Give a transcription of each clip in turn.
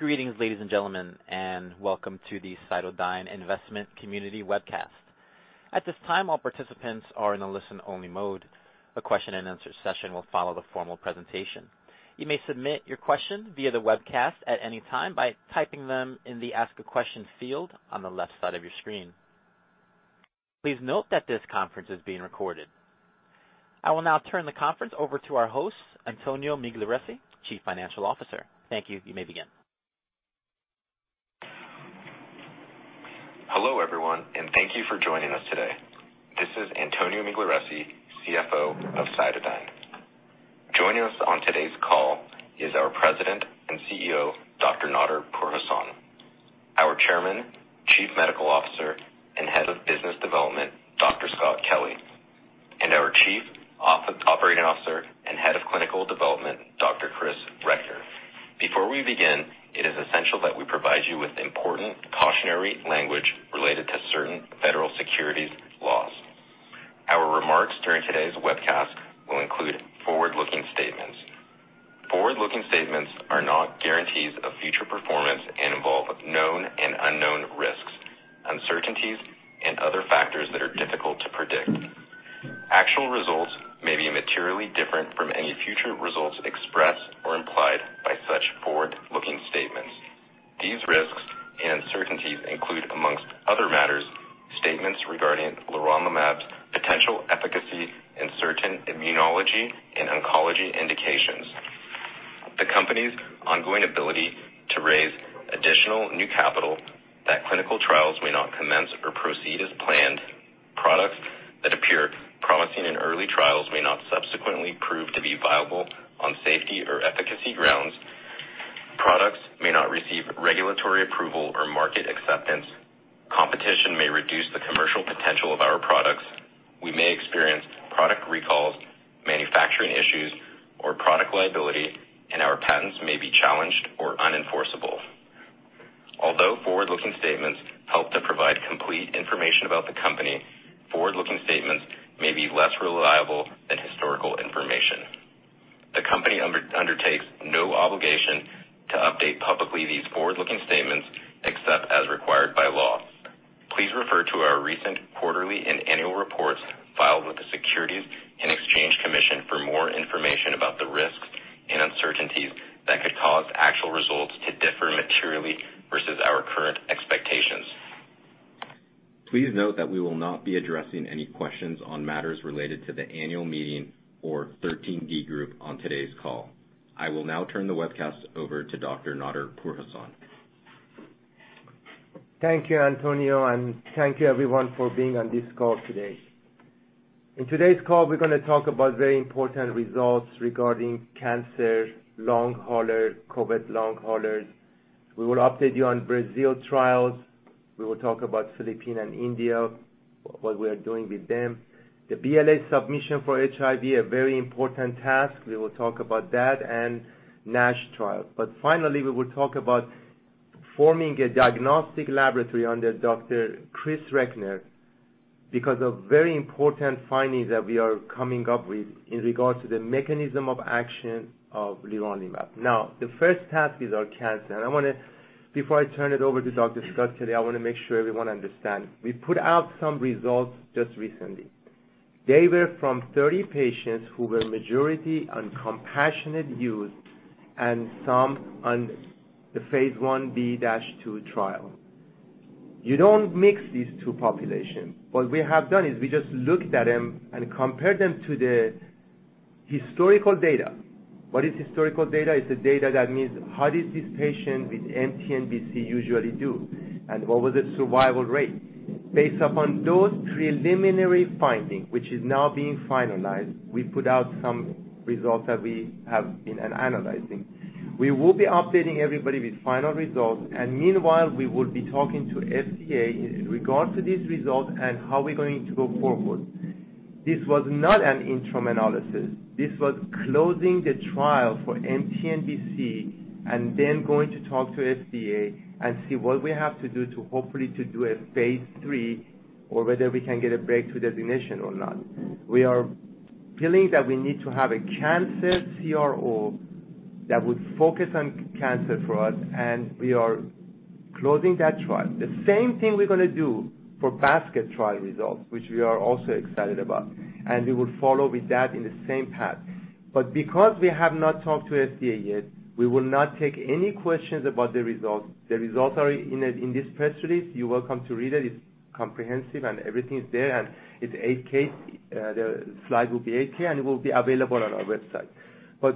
Greetings, ladies and gentlemen, and welcome to the CytoDyn investment community webcast. At this time, all participants are in a listen-only mode. A question and answer session will follow the formal presentation. You may submit your questions via the webcast at any time by typing them in the Ask a Question field on the left side of your screen. Please note that this conference is being recorded. I will now turn the conference over to our host, Antonio Migliarese, Chief Financial Officer. Thank you. You may begin. Hello, everyone, and thank you for joining us today. This is Antonio Migliarese, CFO of CytoDyn. Joining us on today's call is our President and CEO, Dr. Nader Pourhassan, our Chairman, Chief Medical Officer, and Head of Business Development, Dr. Scott Kelly, and our Chief Operating Officer and Head of Clinical Development, Dr. Chris Recknor. Before we begin, it is essential that we provide you with important cautionary language related to certain federal securities laws. Our remarks during today's webcast will include forward-looking statements. Forward-looking statements are not guarantees of future performance and involve known and unknown risks, uncertainties, and other factors that are difficult to predict. Actual results may be materially different from any future results expressed or implied by such forward-looking statements. These risks and uncertainties include, among other matters, statements regarding leronlimab's potential efficacy in certain immunology and oncology indications, the company's ongoing ability to raise additional new capital, that clinical trials may not commence or proceed as planned, products that appear promising in early trials may not subsequently prove to be viable on safety or efficacy grounds, products may not receive regulatory approval or market acceptance, competition may reduce the commercial potential of our products, we may experience product recalls, manufacturing issues, or product liability, and our patents may be challenged or unenforceable. Although forward-looking statements help to provide complete information about the company, forward-looking statements may be less reliable than historical information. The company undertakes no obligation to update publicly these forward-looking statements, except as required by law. Please refer to our recent quarterly and annual reports filed with the Securities and Exchange Commission for more information about the risks and uncertainties that could cause actual results to differ materially versus our current expectations. Please note that we will not be addressing any questions on matters related to the annual meeting or 13D group on today's call. I will now turn the webcast over to Dr. Nader Pourhassan. Thank you, Antonio, and thank you, everyone, for being on this call today. In today's call, we're going to talk about very important results regarding cancer, long haulers, COVID long haulers. We will update you on Brazil trials. We will talk about the Philippines and India, what we are doing with them. The BLA submission for HIV, a very important task. We will talk about that and NASH trial. Finally, we will talk about forming a diagnostic laboratory under Dr. Chris Recknor because of very important findings that we are coming up with in regards to the mechanism of action of leronlimab. Now, the first task is our cancer, and before I turn it over to Dr. Scott Kelly, I want to make sure everyone understands. We put out some results just recently. They were from 30 patients who were majority on compassionate use and some on the phase Ib-II trial. You don't mix these two populations. What we have done is we just looked at them and compared them to the historical data. What is historical data? It's the data that means, how does this patient with mTNBC usually do, and what was the survival rate? Based upon those preliminary findings, which is now being finalized, we put out some results that we have been analyzing. We will be updating everybody with final results, and meanwhile, we will be talking to FDA in regards to these results and how we're going to go forward. This was not an interim analysis. This was closing the trial for mTNBC and then going to talk to FDA and see what we have to do to hopefully to do a phase III or whether we can get a breakthrough designation or not. We are feeling that we need to have a cancer CRO that would focus on cancer for us, and we are closing that trial. The same thing we're going to do for basket trial results, which we are also excited about, and we will follow with that in the same path. Because we have not talked to FDA yet, we will not take any questions about the results. The results are in this press release. You're welcome to read it. It's comprehensive, and everything's there, and the slide will be 8-K, and it will be available on our website. With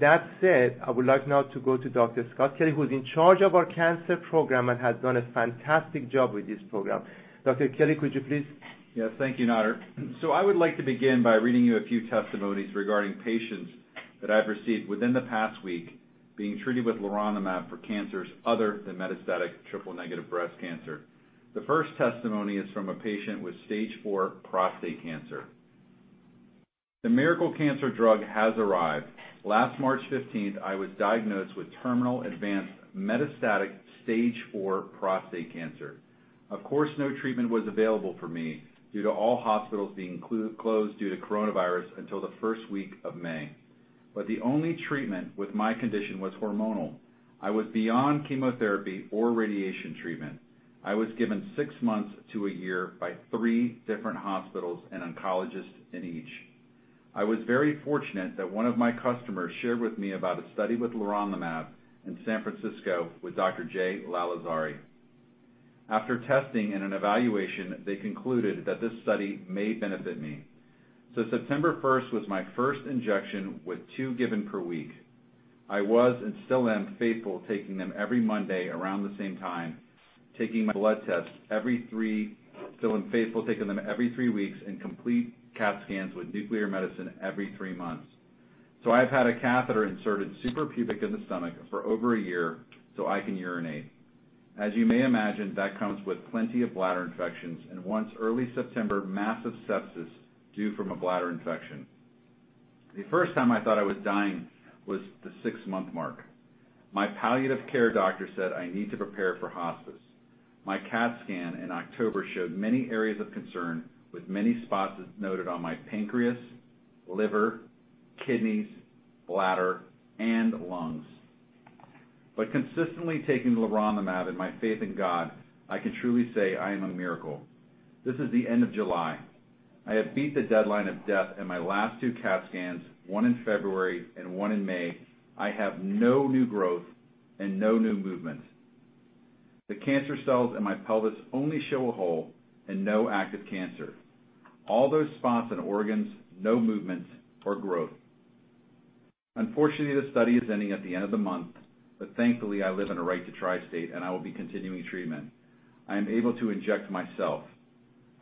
that said, I would like now to go to Dr. Scott Kelly, who's in charge of our cancer program and has done a fantastic job with this program. Dr. Kelly, could you please? Yes. Thank you, Nader. I would like to begin by reading you a few testimonies regarding patients that I've received within the past week being treated with leronlimab for cancers other than metastatic triple-negative breast cancer. The first testimony is from a patient with stage 4 prostate cancer. "The miracle cancer drug has arrived. Last March 15th, I was diagnosed with terminal advanced metastatic stage 4 prostate cancer. Of course, no treatment was available for me due to all hospitals being closed due to coronavirus until the first week of May. The only treatment with my condition was hormonal. I was beyond chemotherapy or radiation treatment. I was given six months to a year by three different hospitals and oncologists in each. I was very fortunate that one of my customers shared with me about a study with leronlimab in San Francisco with Dr. Jay Lalezari. After testing and an evaluation, they concluded that this study may benefit me. September 1st was my first injection with two given per week. I was and still am faithful, taking them every Monday around the same time, still am faithful, taking them every three weeks and complete CAT scans with nuclear medicine every three months. I've had a catheter inserted suprapubic in the stomach for over a year so I can urinate. As you may imagine, that comes with plenty of bladder infections and once early September, massive sepsis due from a bladder infection. The first time I thought I was dying was the six-month mark. My palliative care doctor said I need to prepare for hospice. My CAT scan in October showed many areas of concern, with many spots noted on my pancreas, liver, kidneys, bladder, and lungs. Consistently taking leronlimab and my faith in God, I can truly say I am a miracle. This is the end of July. I have beat the deadline of death and my last two CAT scans, one in February and one in May, I have no new growth and no new movements. The cancer cells in my pelvis only show a hole and no active cancer. All those spots and organs, no movements or growth. Unfortunately, the study is ending at the end of the month, but thankfully I live in a Right to Try state and I will be continuing treatment. I am able to inject myself.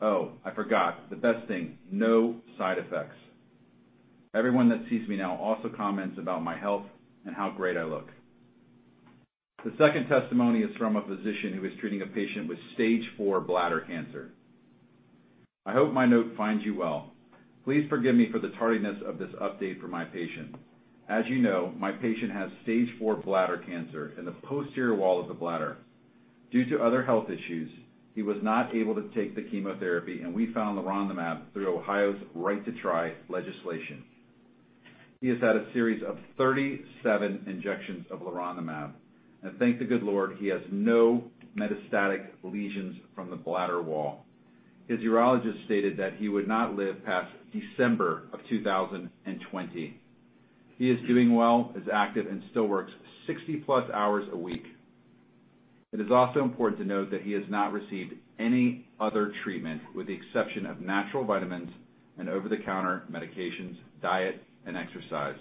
Oh, I forgot the best thing, no side effects. Everyone that sees me now also comments about my health and how great I look." The second testimony is from a physician who is treating a patient with stage 4 bladder cancer. "I hope my note finds you well. Please forgive me for the tardiness of this update for my patient. As you know, my patient has stage 4 bladder cancer in the posterior wall of the bladder. Due to other health issues, he was not able to take the chemotherapy and we found leronlimab through Ohio's Right to Try legislation. He has had a series of 37 injections of leronlimab and thank the good Lord he has no metastatic lesions from the bladder wall. His urologist stated that he would not live past December of 2020. He is doing well, is active, and still works 60+ hours a week. It is also important to note that he has not received any other treatment with the exception of natural vitamins and over-the-counter medications, diet and exercise.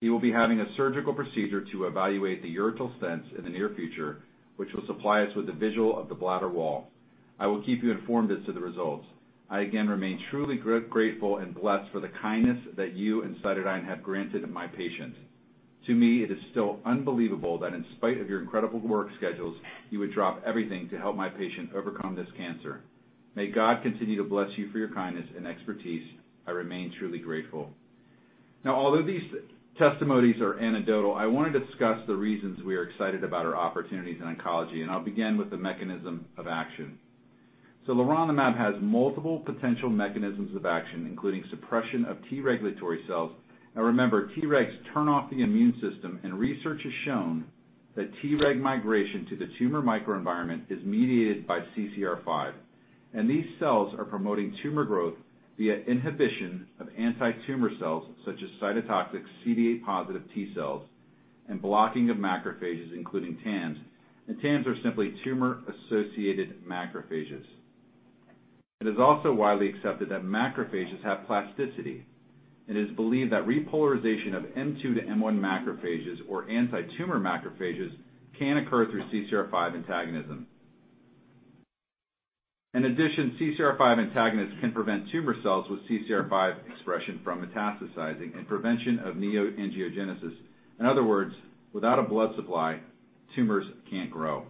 He will be having a surgical procedure to evaluate the ureteral stents in the near future, which will supply us with a visual of the bladder wall. I will keep you informed as to the results. I again remain truly grateful and blessed for the kindness that you and CytoDyn have granted my patient. To me, it is still unbelievable that in spite of your incredible work schedules, you would drop everything to help my patient overcome this cancer. May God continue to bless you for your kindness and expertise. I remain truly grateful." Although these testimonies are anecdotal, I want to discuss the reasons we are excited about our opportunities in oncology, and I'll begin with the mechanism of action. Leronlimab has multiple potential mechanisms of action, including suppression of T regulatory cells. Remember, Tregs turn off the immune system and research has shown that Treg migration to the tumor microenvironment is mediated by CCR5. These cells are promoting tumor growth via inhibition of anti-tumor cells such as cytotoxic CD8+ T cells and blocking of macrophages including TAMs, and TAMs are simply tumor-associated macrophages. It is also widely accepted that macrophages have plasticity, and it is believed that repolarization of M2 to M1 macrophages or anti-tumor macrophages can occur through CCR5 antagonism. In addition, CCR5 antagonists can prevent tumor cells with CCR5 expression from metastasizing and prevention of neoangiogenesis. In other words, without a blood supply, tumors can't grow.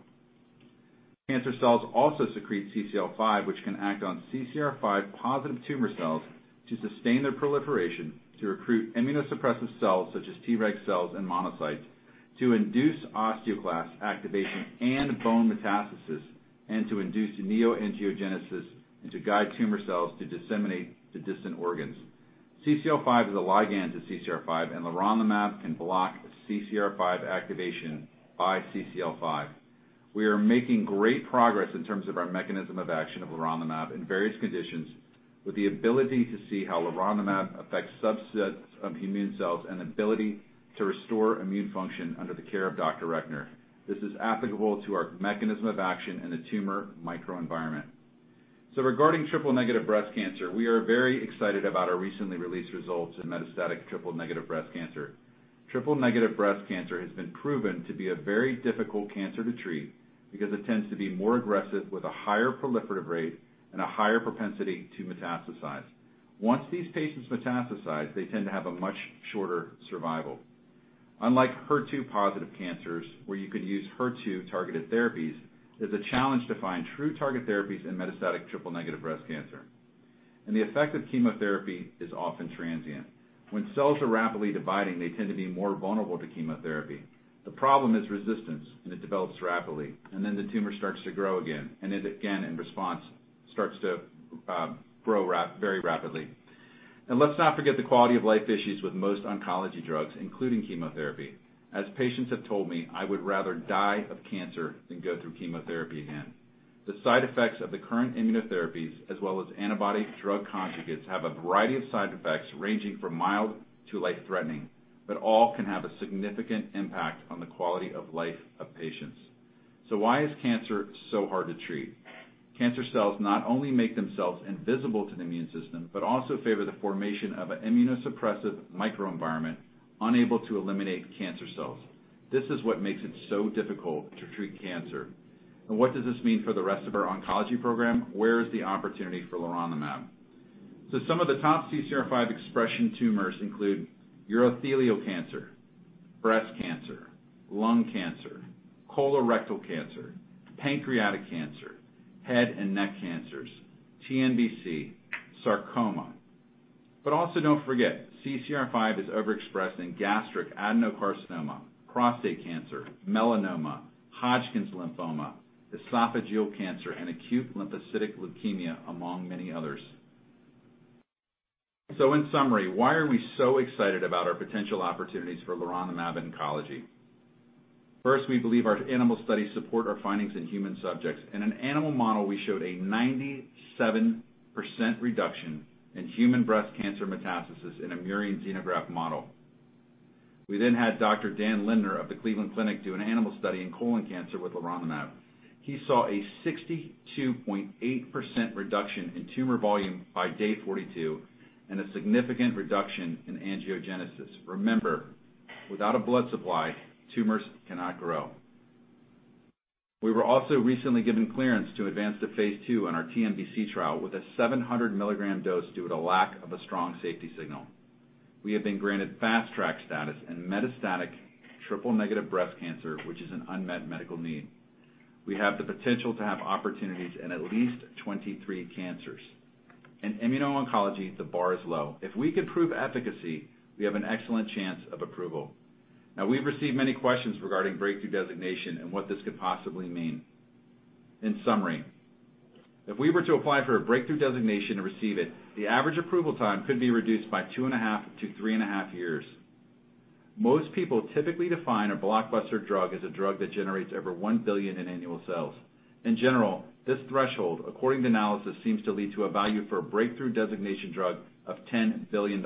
Cancer cells also secrete CCL5 which can act on CCR5 positive tumor cells to sustain their proliferation to recruit immunosuppressive cells such as Treg cells and monocytes to induce osteoclast activation and bone metastasis and to induce neoangiogenesis and to guide tumor cells to disseminate to distant organs. CCL5 is a ligand to CCR5 and leronlimab can block CCR5 activation by CCL5. We are making great progress in terms of our mechanism of action of leronlimab in various conditions with the ability to see how leronlimab affects subsets of immune cells and ability to restore immune function under the care of Dr. Recknor. Regarding triple-negative breast cancer, we are very excited about our recently released results in metastatic triple-negative breast cancer. Triple-negative breast cancer has been proven to be a very difficult cancer to treat because it tends to be more aggressive with a higher proliferative rate and a higher propensity to metastasize. Once these patients metastasize, they tend to have a much shorter survival. Unlike HER2-positive cancers where you could use HER2-targeted therapies, it's a challenge to find true target therapies in metastatic triple-negative breast cancer. The effect of chemotherapy is often transient. When cells are rapidly dividing, they tend to be more vulnerable to chemotherapy. The problem is resistance, and it develops rapidly, and then the tumor starts to grow again, and it again, in response, starts to grow very rapidly. Let's not forget the quality of life issues with most oncology drugs, including chemotherapy. As patients have told me, "I would rather die of cancer than go through chemotherapy again." The side effects of the current immunotherapies, as well as antibody drug conjugates, have a variety of side effects ranging from mild to life-threatening, but all can have a significant impact on the quality of life of patients. Why is cancer so hard to treat? Cancer cells not only make themselves invisible to the immune system but also favor the formation of an immunosuppressive microenvironment unable to eliminate cancer cells. This is what makes it so difficult to treat cancer. What does this mean for the rest of our oncology program? Where is the opportunity for leronlimab? Some of the top CCR5 expression tumors include urothelial cancer, breast cancer, lung cancer, colorectal cancer, pancreatic cancer, head and neck cancers, TNBC, sarcoma. Also don't forget, CCR5 is overexpressed in gastric adenocarcinoma, prostate cancer, melanoma, Hodgkin's lymphoma, esophageal cancer, and acute lymphocytic leukemia, among many others. In summary, why are we so excited about our potential opportunities for leronlimab in oncology? First, we believe our animal studies support our findings in human subjects. In an animal model, we showed a 97% reduction in human breast cancer metastasis in a murine xenograft model. We had Dr. Dan Lindner of the Cleveland Clinic do an animal study in colon cancer with leronlimab. He saw a 62.8% reduction in tumor volume by day 42 and a significant reduction in angiogenesis. Remember, without a blood supply, tumors cannot grow. We were also recently given clearance to advance to phase II on our TNBC trial with a 700 mg dose due to lack of a strong safety signal. We have been granted Fast Track status in metastatic triple-negative breast cancer, which is an unmet medical need. We have the potential to have opportunities in at least 23 cancers. In immuno-oncology, the bar is low. If we can prove efficacy, we have an excellent chance of approval. Now, we've received many questions regarding breakthrough designation and what this could possibly mean. In summary, if we were to apply for a breakthrough designation and receive it, the average approval time could be reduced by two and a half to three and a half years. Most people typically define a blockbuster drug as a drug that generates over $1 billion in annual sales. In general, this threshold, according to analysis, seems to lead to a value for a breakthrough designation drug of $10 billion.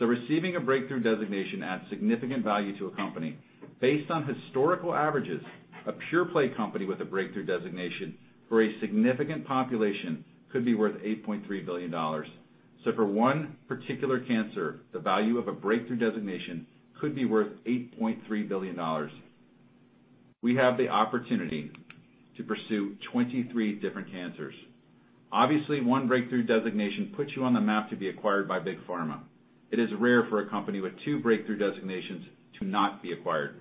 Receiving a breakthrough designation adds significant value to a company. Based on historical averages, a pure-play company with a breakthrough designation for a significant population could be worth $8.3 billion. For one particular cancer, the value of a breakthrough designation could be worth $8.3 billion. We have the opportunity to pursue 23 different cancers. Obviously, one breakthrough designation puts you on the map to be acquired by Big Pharma. It is rare for a company with two breakthrough designations to not be acquired.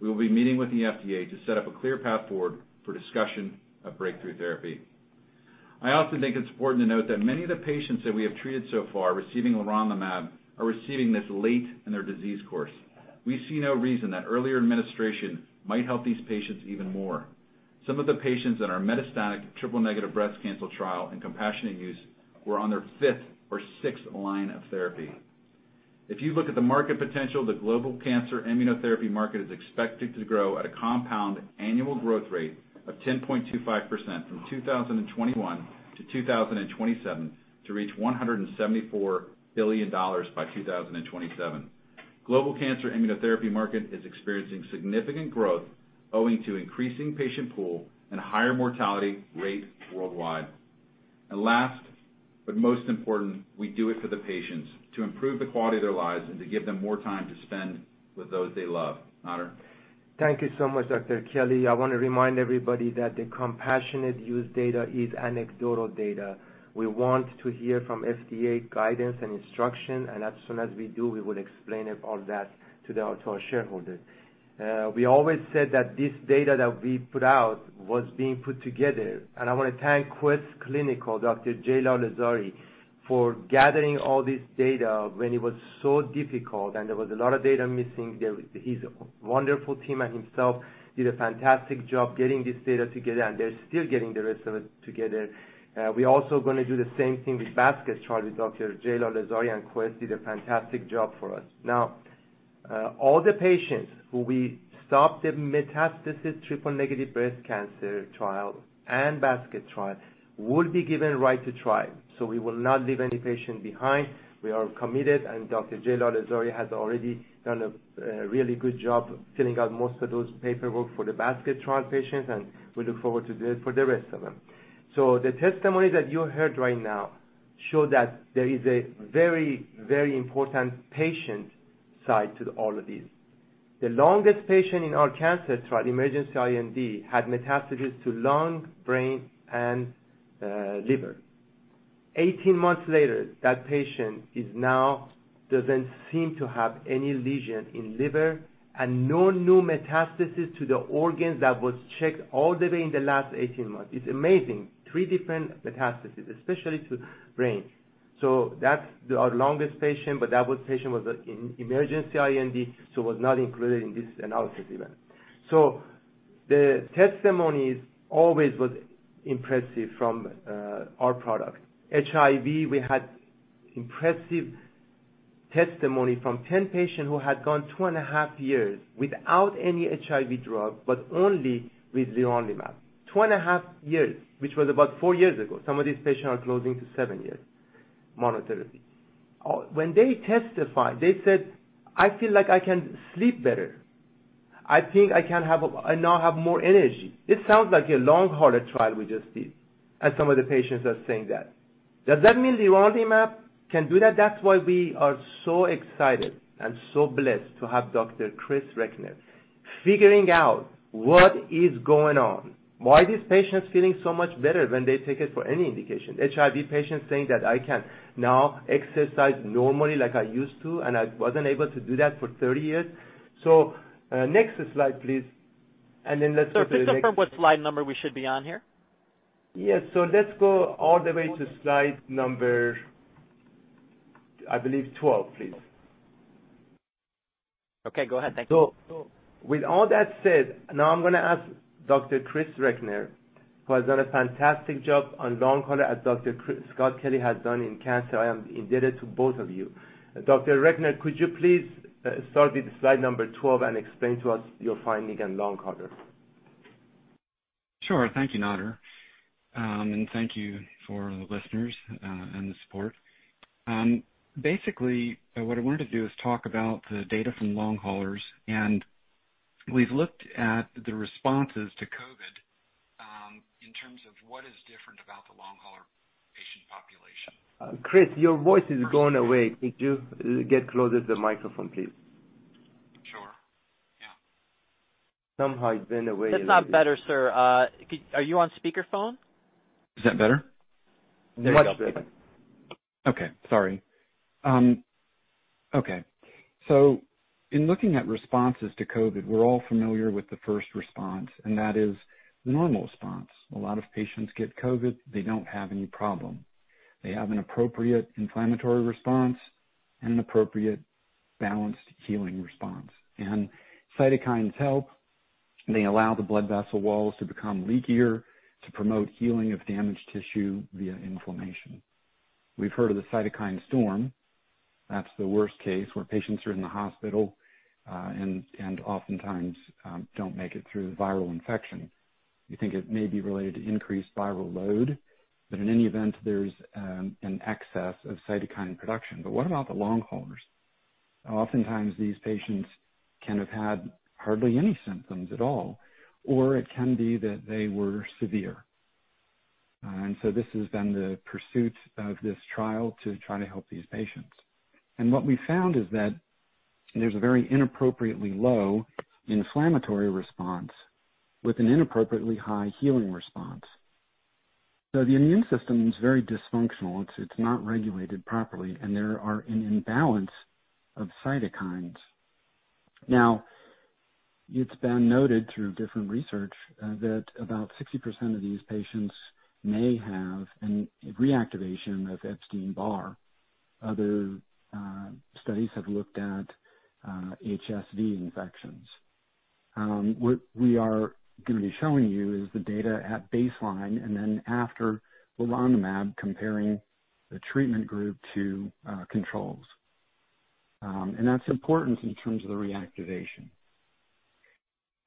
We will be meeting with the FDA to set up a clear path forward for discussion of breakthrough therapy. I also think it's important to note that many of the patients that we have treated so far receiving leronlimab are receiving this late in their disease course. We see no reason that earlier administration might help these patients even more. Some of the patients in our metastatic triple-negative breast cancer trial in compassionate use were on their fifth or sixth line of therapy. If you look at the market potential, the global cancer immunotherapy market is expected to grow at a compound annual growth rate of 10.25% from 2021 to 2027 to reach $174 billion by 2027. Global cancer immunotherapy market is experiencing significant growth owing to increasing patient pool and higher mortality rate worldwide. Last but most important, we do it for the patients to improve the quality of their lives and to give them more time to spend with those they love. Nader? Thank you so much, Dr. Kelly. I want to remind everybody that the compassionate use data is anecdotal data. We want to hear from FDA guidance and instruction, and as soon as we do, we will explain all that to our shareholders. We always said that this data that we put out was being put together, and I want to thank Quest Clinical Research, Jay Lalezari, for gathering all this data when it was so difficult, and there was a lot of data missing. His wonderful team and himself did a fantastic job getting this data together, and they're still getting the rest of it together. We're also going to do the same thing with basket trial. Jay Lalezari and Quest did a fantastic job for us. All the patients who we stopped the metastatic triple-negative breast cancer trial and basket trial will be given Right to Try. We will not leave any patient behind. We are committed, and Dr. Jay Lalezari has already done a really good job filling out most of those paperwork for the basket trial patients, and we look forward to do it for the rest of them. The testimony that you heard right now show that there is a very, very important patient side to all of these. The longest patient in our cancer trial, emergency IND, had metastasis to lung, brain, and liver. 18 months later, that patient now doesn't seem to have any lesion in liver and no new metastasis to the organs that was checked all the way in the last 18 months. It's amazing. Three different metastases, especially to brain. So that's our longest patient, but that patient was an emergency IND, was not included in this analysis event. The testimonies always was impressive from our product. HIV, we had impressive testimony from 10 patients who had gone two and a half years without any HIV drug, but only with leronlimab. Two and a half years, which was about four years ago. Some of these patients are closing to seven years monotherapy. When they testified, they said, "I feel like I can sleep better. I think I now have more energy." It sounds like a long-haulers trial we just did, and some of the patients are saying that. Does that mean leronlimab can do that? That's why we are so excited and so blessed to have Dr. Chris Recknor figuring out what is going on. Why these patients feeling so much better when they take it for any indication. HIV patients saying that, "I can now exercise normally like I used to, and I wasn't able to do that for 30 years." Next slide, please. Sir, could you confirm what slide number we should be on here? Yes. Let's go all the way to slide number, I believe 12, please. Okay, go ahead. Thank you. With all that said, now I'm going to ask Dr. Chris Recknor, who has done a fantastic job on long hauler, as Dr. Scott Kelly has done in cancer. I am indebted to both of you. Dr. Chris Recknor, could you please start with slide number 12 and explain to us your finding on long haulers? Sure. Thank you, Nader. Thank you for the listeners, and the support. Basically, what I wanted to do is talk about the data from long haulers, and we've looked at the responses to COVID, in terms of what is different about the long hauler patient population. Chris, your voice is going away. Could you get closer to the microphone, please? Sure. Yeah. Somehow it went away a little bit. That's not better, sir. Are you on speakerphone? Is that better? Much better. Okay. Sorry. Okay. In looking at responses to COVID, we're all familiar with the first response, and that is the normal response. A lot of patients get COVID, they don't have any problem. They have an appropriate inflammatory response and an appropriate balanced healing response. Cytokines help. They allow the blood vessel walls to become leakier to promote healing of damaged tissue via inflammation. We've heard of the cytokine storm. That's the worst case where patients are in the hospital, and oftentimes, don't make it through the viral infection. We think it may be related to increased viral load, but in any event, there's an excess of cytokine production. What about the long haulers? Oftentimes, these patients can have had hardly any symptoms at all, or it can be that they were severe. This has been the pursuit of this trial, to try to help these patients. What we found is that there's a very inappropriately low inflammatory response with an inappropriately high healing response. The immune system is very dysfunctional. It's not regulated properly, and there are an imbalance of cytokines. It's been noted through different research that about 60% of these patients may have an reactivation of Epstein-Barr. Other studies have looked at HSV infections. What we are going to be showing you is the data at baseline and then after the leronlimab, comparing the treatment group to controls. That's important in terms of the reactivation.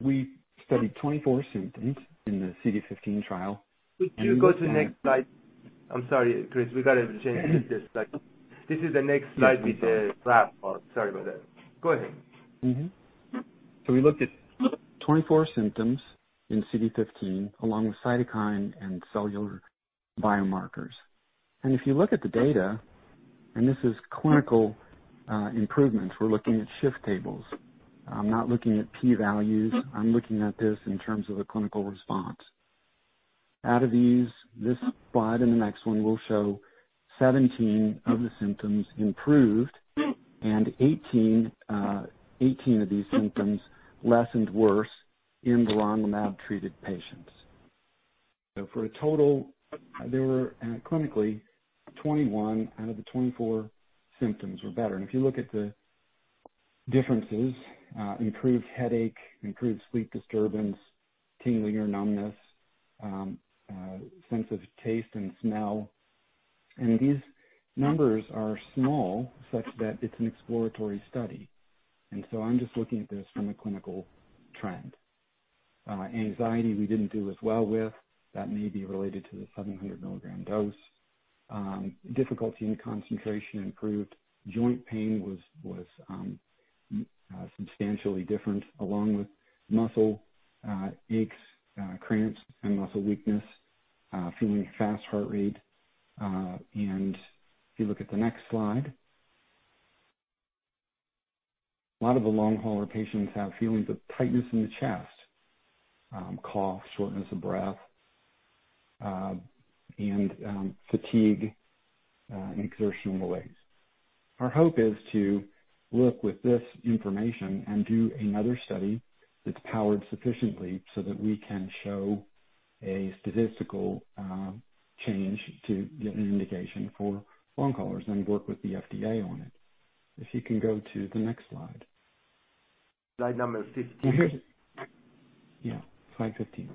We studied 24 symptoms in the CD15 trial. Could you go to the next slide? I'm sorry, Chris. We got to change this slide. This is the next slide with the graph. Sorry about that. Go ahead. Mm-hmm. We looked at 24 symptoms in CD15, along with cytokine and cellular biomarkers. If you look at the data, and this is clinical improvements, we're looking at shift tables. I'm not looking at key values. I'm looking at this in terms of a clinical response. Out of these, this slide and the next one will show 17 of the symptoms improved and 18 of these symptoms lessened worse in the leronlimab-treated patients. For a total, there were clinically 21 out of the 24 symptoms were better. If you look at the differences, improved headache, improved sleep disturbance, tingling or numbness, sense of taste and smell. These numbers are small such that it's an exploratory study. I'm just looking at this from a clinical trend. Anxiety we didn't do as well with. That may be related to the 700 mg dose. Difficulty in concentration improved. Joint pain was substantially different, along with muscle aches, cramps, and muscle weakness, feeling fast heart rate. If you look at the next slide, a lot of the long hauler patients have feelings of tightness in the chest, cough, shortness of breath, and fatigue and exertional malaise. Our hope is to look with this information and do another study that's powered sufficiently so that we can show a statistical change to get an indication for long haulers and work with the FDA on it. If you can go to the next slide. Slide number 15. Yeah, slide 15.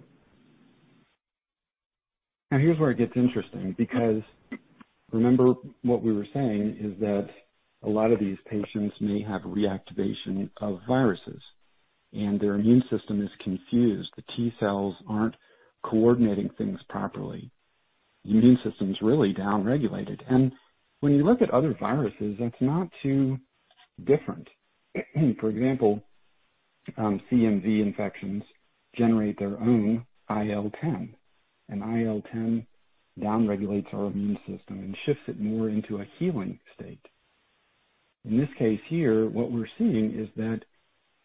Here is where it gets interesting, because remember what we were saying is that a lot of these patients may have reactivation of viruses, and their immune system is confused. The T cells aren't coordinating things properly. The immune system is really down-regulated. When you look at other viruses, that's not too different. For example, CMV infections generate their own IL-10, and IL-10 down-regulates our immune system and shifts it more into a healing state. In this case here, what we're seeing is that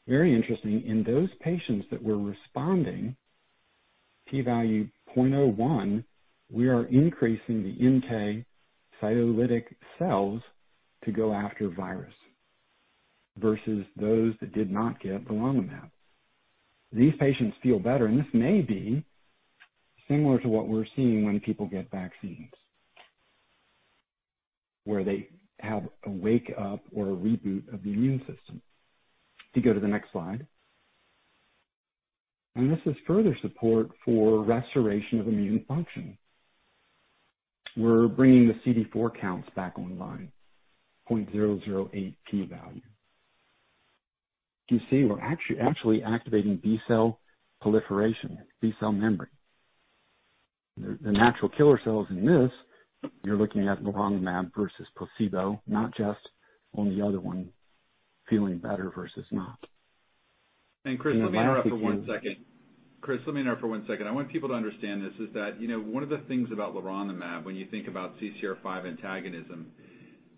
very interesting in those patients that were responding, p-value 0.01, we are increasing the NK cytolytic cells to go after virus versus those that did not get the leronlimab. These patients feel better. This may be similar to what we're seeing when people get vaccines, where they have a wake up or a reboot of the immune system. If you go to the next slide. This is further support for restoration of immune function. We're bringing the CD4 counts back online, 0.008 p-value. You see, we're actually activating B cell proliferation, B cell memory. The natural killer cells in this, you're looking at leronlimab versus placebo, not just on the other one, feeling better versus not. Chris, let me interrupt for one second. I want people to understand this is that one of the things about leronlimab, when you think about CCR5 antagonism,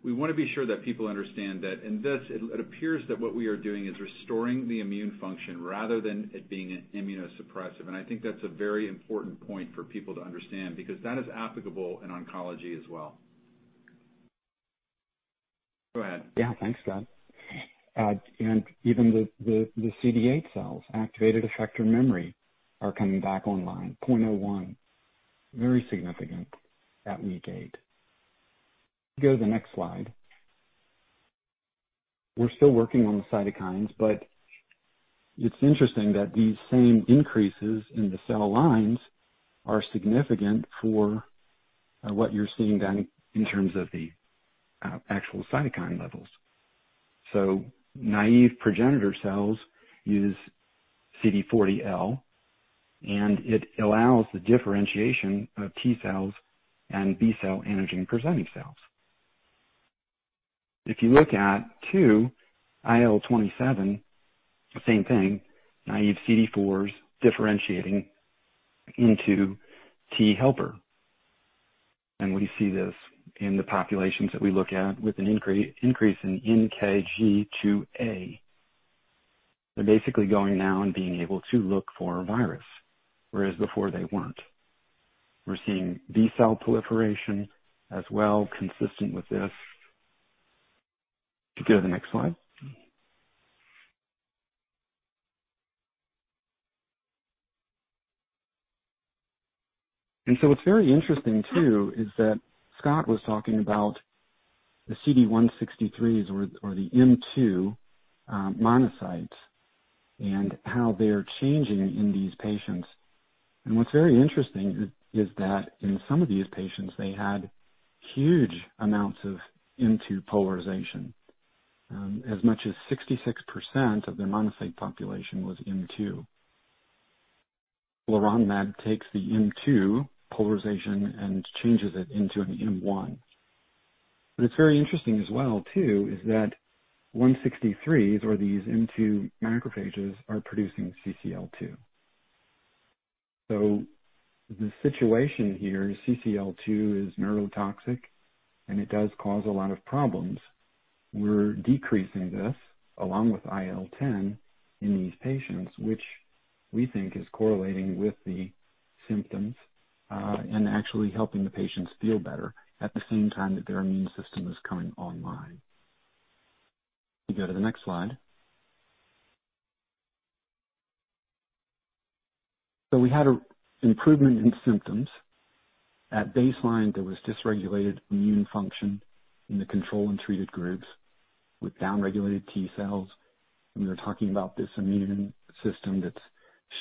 we want to be sure that people understand that in this it appears that what we are doing is restoring the immune function rather than it being immunosuppressive. I think that's a very important point for people to understand because that is applicable in oncology as well. Go ahead. Thanks, Scott. Even the CD8 cells, activated effector memory are coming back online, 0.01. Very significant at week eight. Go to the next slide. We're still working on the cytokines, but it's interesting that these same increases in the cell lines are significant for what you're seeing, then, in terms of the actual cytokine levels. Naive progenitor cells use CD40L, and it allows the differentiation of T cells and B cell antigen presenting cells. If you look at two, IL-27, same thing. Naive CD4s differentiating into T helper. We see this in the populations that we look at with an increase in NKG2A. They're basically going now and being able to look for a virus, whereas before they weren't. We're seeing B cell proliferation as well, consistent with this. If you go to the next slide. What's very interesting too is that Scott was talking about the CD163s or the M2 monocytes and how they're changing in these patients. What's very interesting is that in some of these patients, they had huge amounts of M2 polarization. As much as 66% of their monocyte population was M2. Leronlimab takes the M2 polarization and changes it into an M1. What's very interesting as well too is that 163s or these M2 macrophages are producing CCL2. The situation here is CCL2 is neurotoxic and it does cause a lot of problems. We're decreasing this along with IL-10 in these patients, which we think is correlating with the symptoms and actually helping the patients feel better at the same time that their immune system is coming online. If you go to the next slide. We had an improvement in symptoms. At baseline, there was dysregulated immune function in the control and treated groups with down-regulated T cells. We were talking about this immune system that's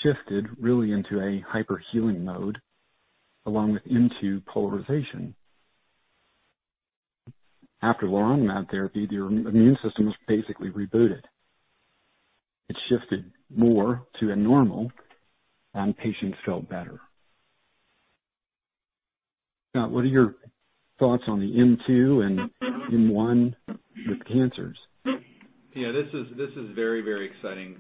shifted really into a hyper healing mode along with M2 polarization. After leronlimab therapy, the immune system was basically rebooted. It shifted more to a normal and patients felt better. Scott, what are your thoughts on the M2 and M1 with cancers? Yeah, this is very exciting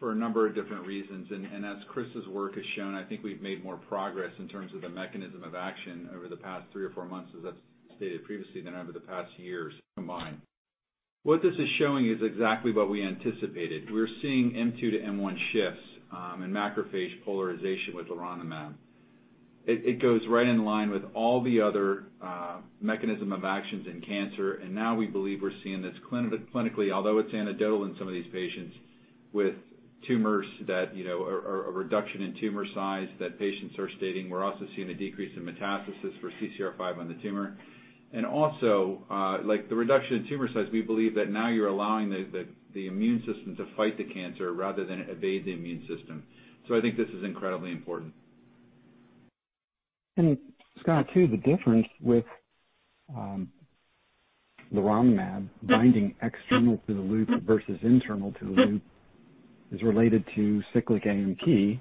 for a number of different reasons. As Chris's work has shown, I think we've made more progress in terms of the mechanism of action over the past three or four months as I've stated previously than over the past years combined. What this is showing is exactly what we anticipated. We're seeing M2 to M1 shifts in macrophage polarization with leronlimab. It goes right in line with all the other mechanism of actions in cancer. Now we believe we're seeing this clinically, although it's anecdotal in some of these patients with tumors that are a reduction in tumor size that patients are stating. We're also seeing a decrease in metastasis for CCR5 on the tumor. Also, like the reduction in tumor size, we believe that now you're allowing the immune system to fight the cancer rather than evade the immune system. I think this is incredibly important. Scott, too, the difference with leronlimab binding external to the loop versus internal to the loop is related to cyclic AMP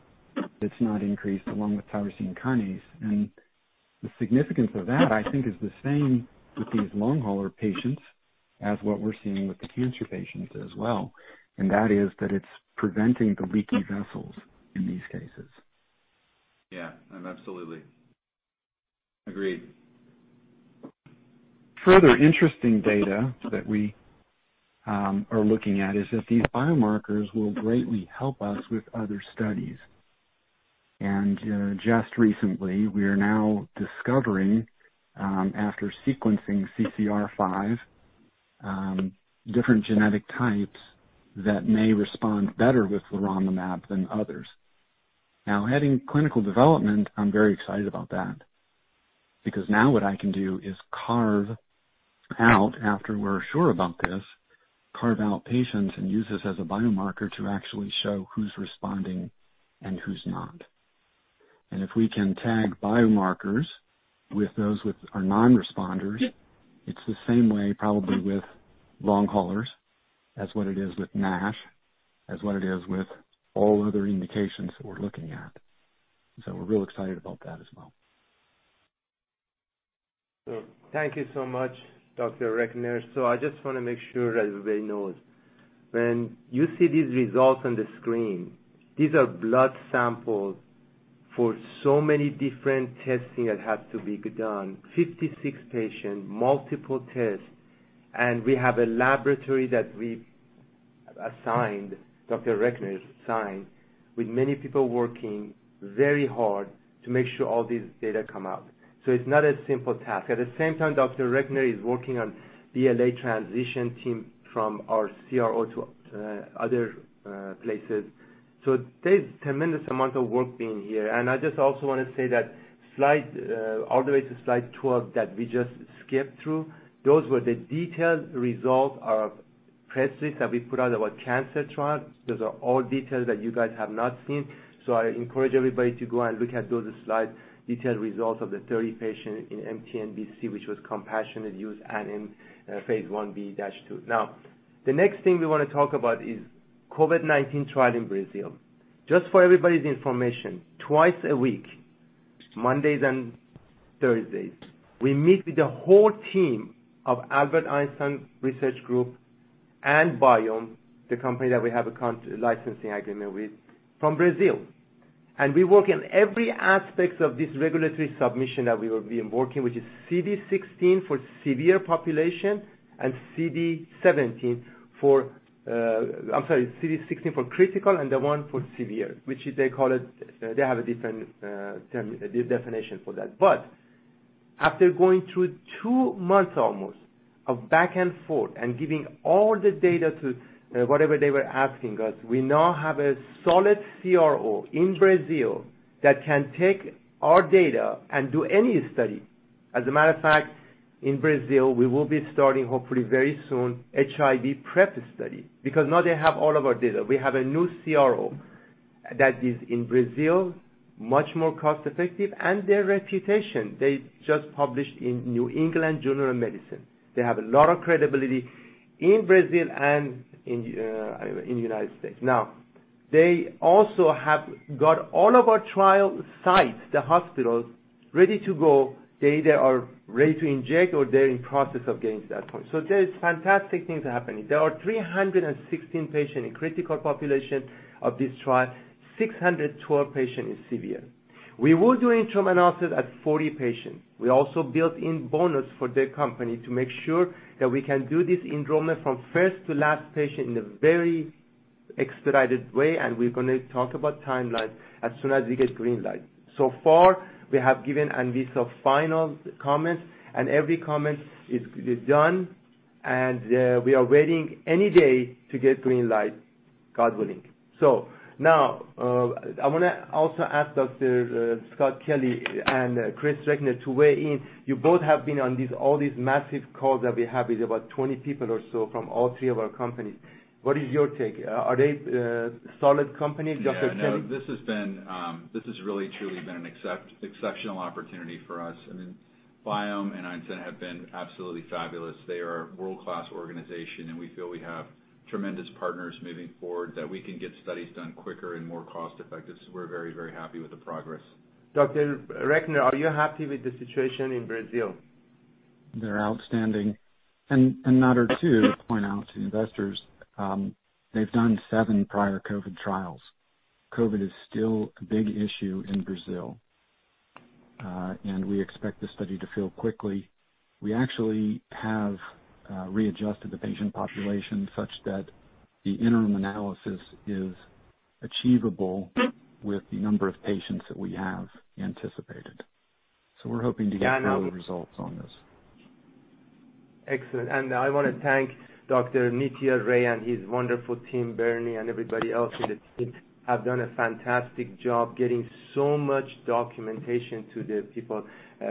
that's not increased along with tyrosine kinase. The significance of that, I think, is the same with these long hauler patients as what we're seeing with the cancer patients as well, and that is that it's preventing the leaky vessels in these cases. Yeah. Absolutely. Agreed. Further interesting data that we are looking at is that these biomarkers will greatly help us with other studies. Just recently, we are now discovering, after sequencing CCR5, different genetic types that may respond better with leronlimab than others. Heading Clinical Development, I'm very excited about that because now what I can do is carve out, after we're sure about this, carve out patients and use this as a biomarker to actually show who's responding and who's not. If we can tag biomarkers with those with our non-responders, it's the same way probably with long haulers as what it is with NASH, as what it is with all other indications that we're looking at. We're real excited about that as well. Thank you so much, Dr. Recknor. I just want to make sure that everybody knows, when you see these results on the screen, these are blood samples for so many different testing that have to be done. 56 patients, multiple tests, and we have a laboratory that we've assigned, Dr. Recknor assigned, with many people working very hard to make sure all this data come out. It's not a simple task. At the same time, Dr. Recknor is working on BLA transition team from our CRO to other places. There's tremendous amount of work being here. I just also want to say that all the way to slide 12 that we just skipped through, those were the detailed results of press release that we put out about cancer trials. Those are all details that you guys have not seen. I encourage everybody to go and look at those slides, detailed results of the 30 patients in mTNBC, which was compassionate use and in phase I-B/II. The next thing we want to talk about is COVID-19 trial in Brazil. Just for everybody's information, twice a week, Mondays and Thursdays, we meet with the whole team of Albert Einstein Israelite Hospital and Biomm, the company that we have a licensing agreement with from Brazil. We work in every aspect of this regulatory submission that we will be working, which is CD16 for severe population and CD17 for I'm sorry, CD16 for critical and the one for severe, which they have a different definition for that. After going through two months almost of back and forth and giving all the data to whatever they were asking us, we now have a solid CRO in Brazil that can take our data and do any study. As a matter of fact, in Brazil, we will be starting, hopefully very soon, HIV prep study because now they have all of our data. We have a new CRO that is in Brazil, much more cost effective, and their reputation. They just published in New England Journal of Medicine. They have a lot of credibility in Brazil and in United States. They also have got all of our trial sites, the hospitals ready to go. They either are ready to inject or they're in process of getting to that point. There is fantastic things happening. There are 316 patient in critical population of this trial. 612 patient is severe. We will do interim analysis at 40 patients. We also built in bonus for their company to make sure that we can do this enrollment from first to last patient in a very expedited way, and we're going to talk about timelines as soon as we get green light. So far, we have given and these are final comments, and every comment is done, and we are waiting any day to get green light, God willing. Now, I want to also ask Dr. Scott Kelly and Chris Recknor to weigh in. You both have been on all these massive calls that we have with about 20 people or so from all three of our companies. What is your take? Are they solid companies, Dr. Kelly? Yeah. This has really truly been an exceptional opportunity for us. I mean Biomm and Einstein have been absolutely fabulous. They are a world-class organization, and we feel we have tremendous partners moving forward that we can get studies done quicker and more cost effective. We're very, very happy with the progress. Dr. Recknor, are you happy with the situation in Brazil? They're outstanding. Another too, to point out to investors, they've done seven prior COVID trials. COVID is still a big issue in Brazil. We expect the study to fill quickly. We actually have readjusted the patient population such that the interim analysis is achievable with the number of patients that we have anticipated. We're hoping to get early results on this. Excellent. I want to thank Dr. Nitya Ray and his wonderful team. Bernie and everybody else in the team have done a fantastic job getting so much documentation to the people.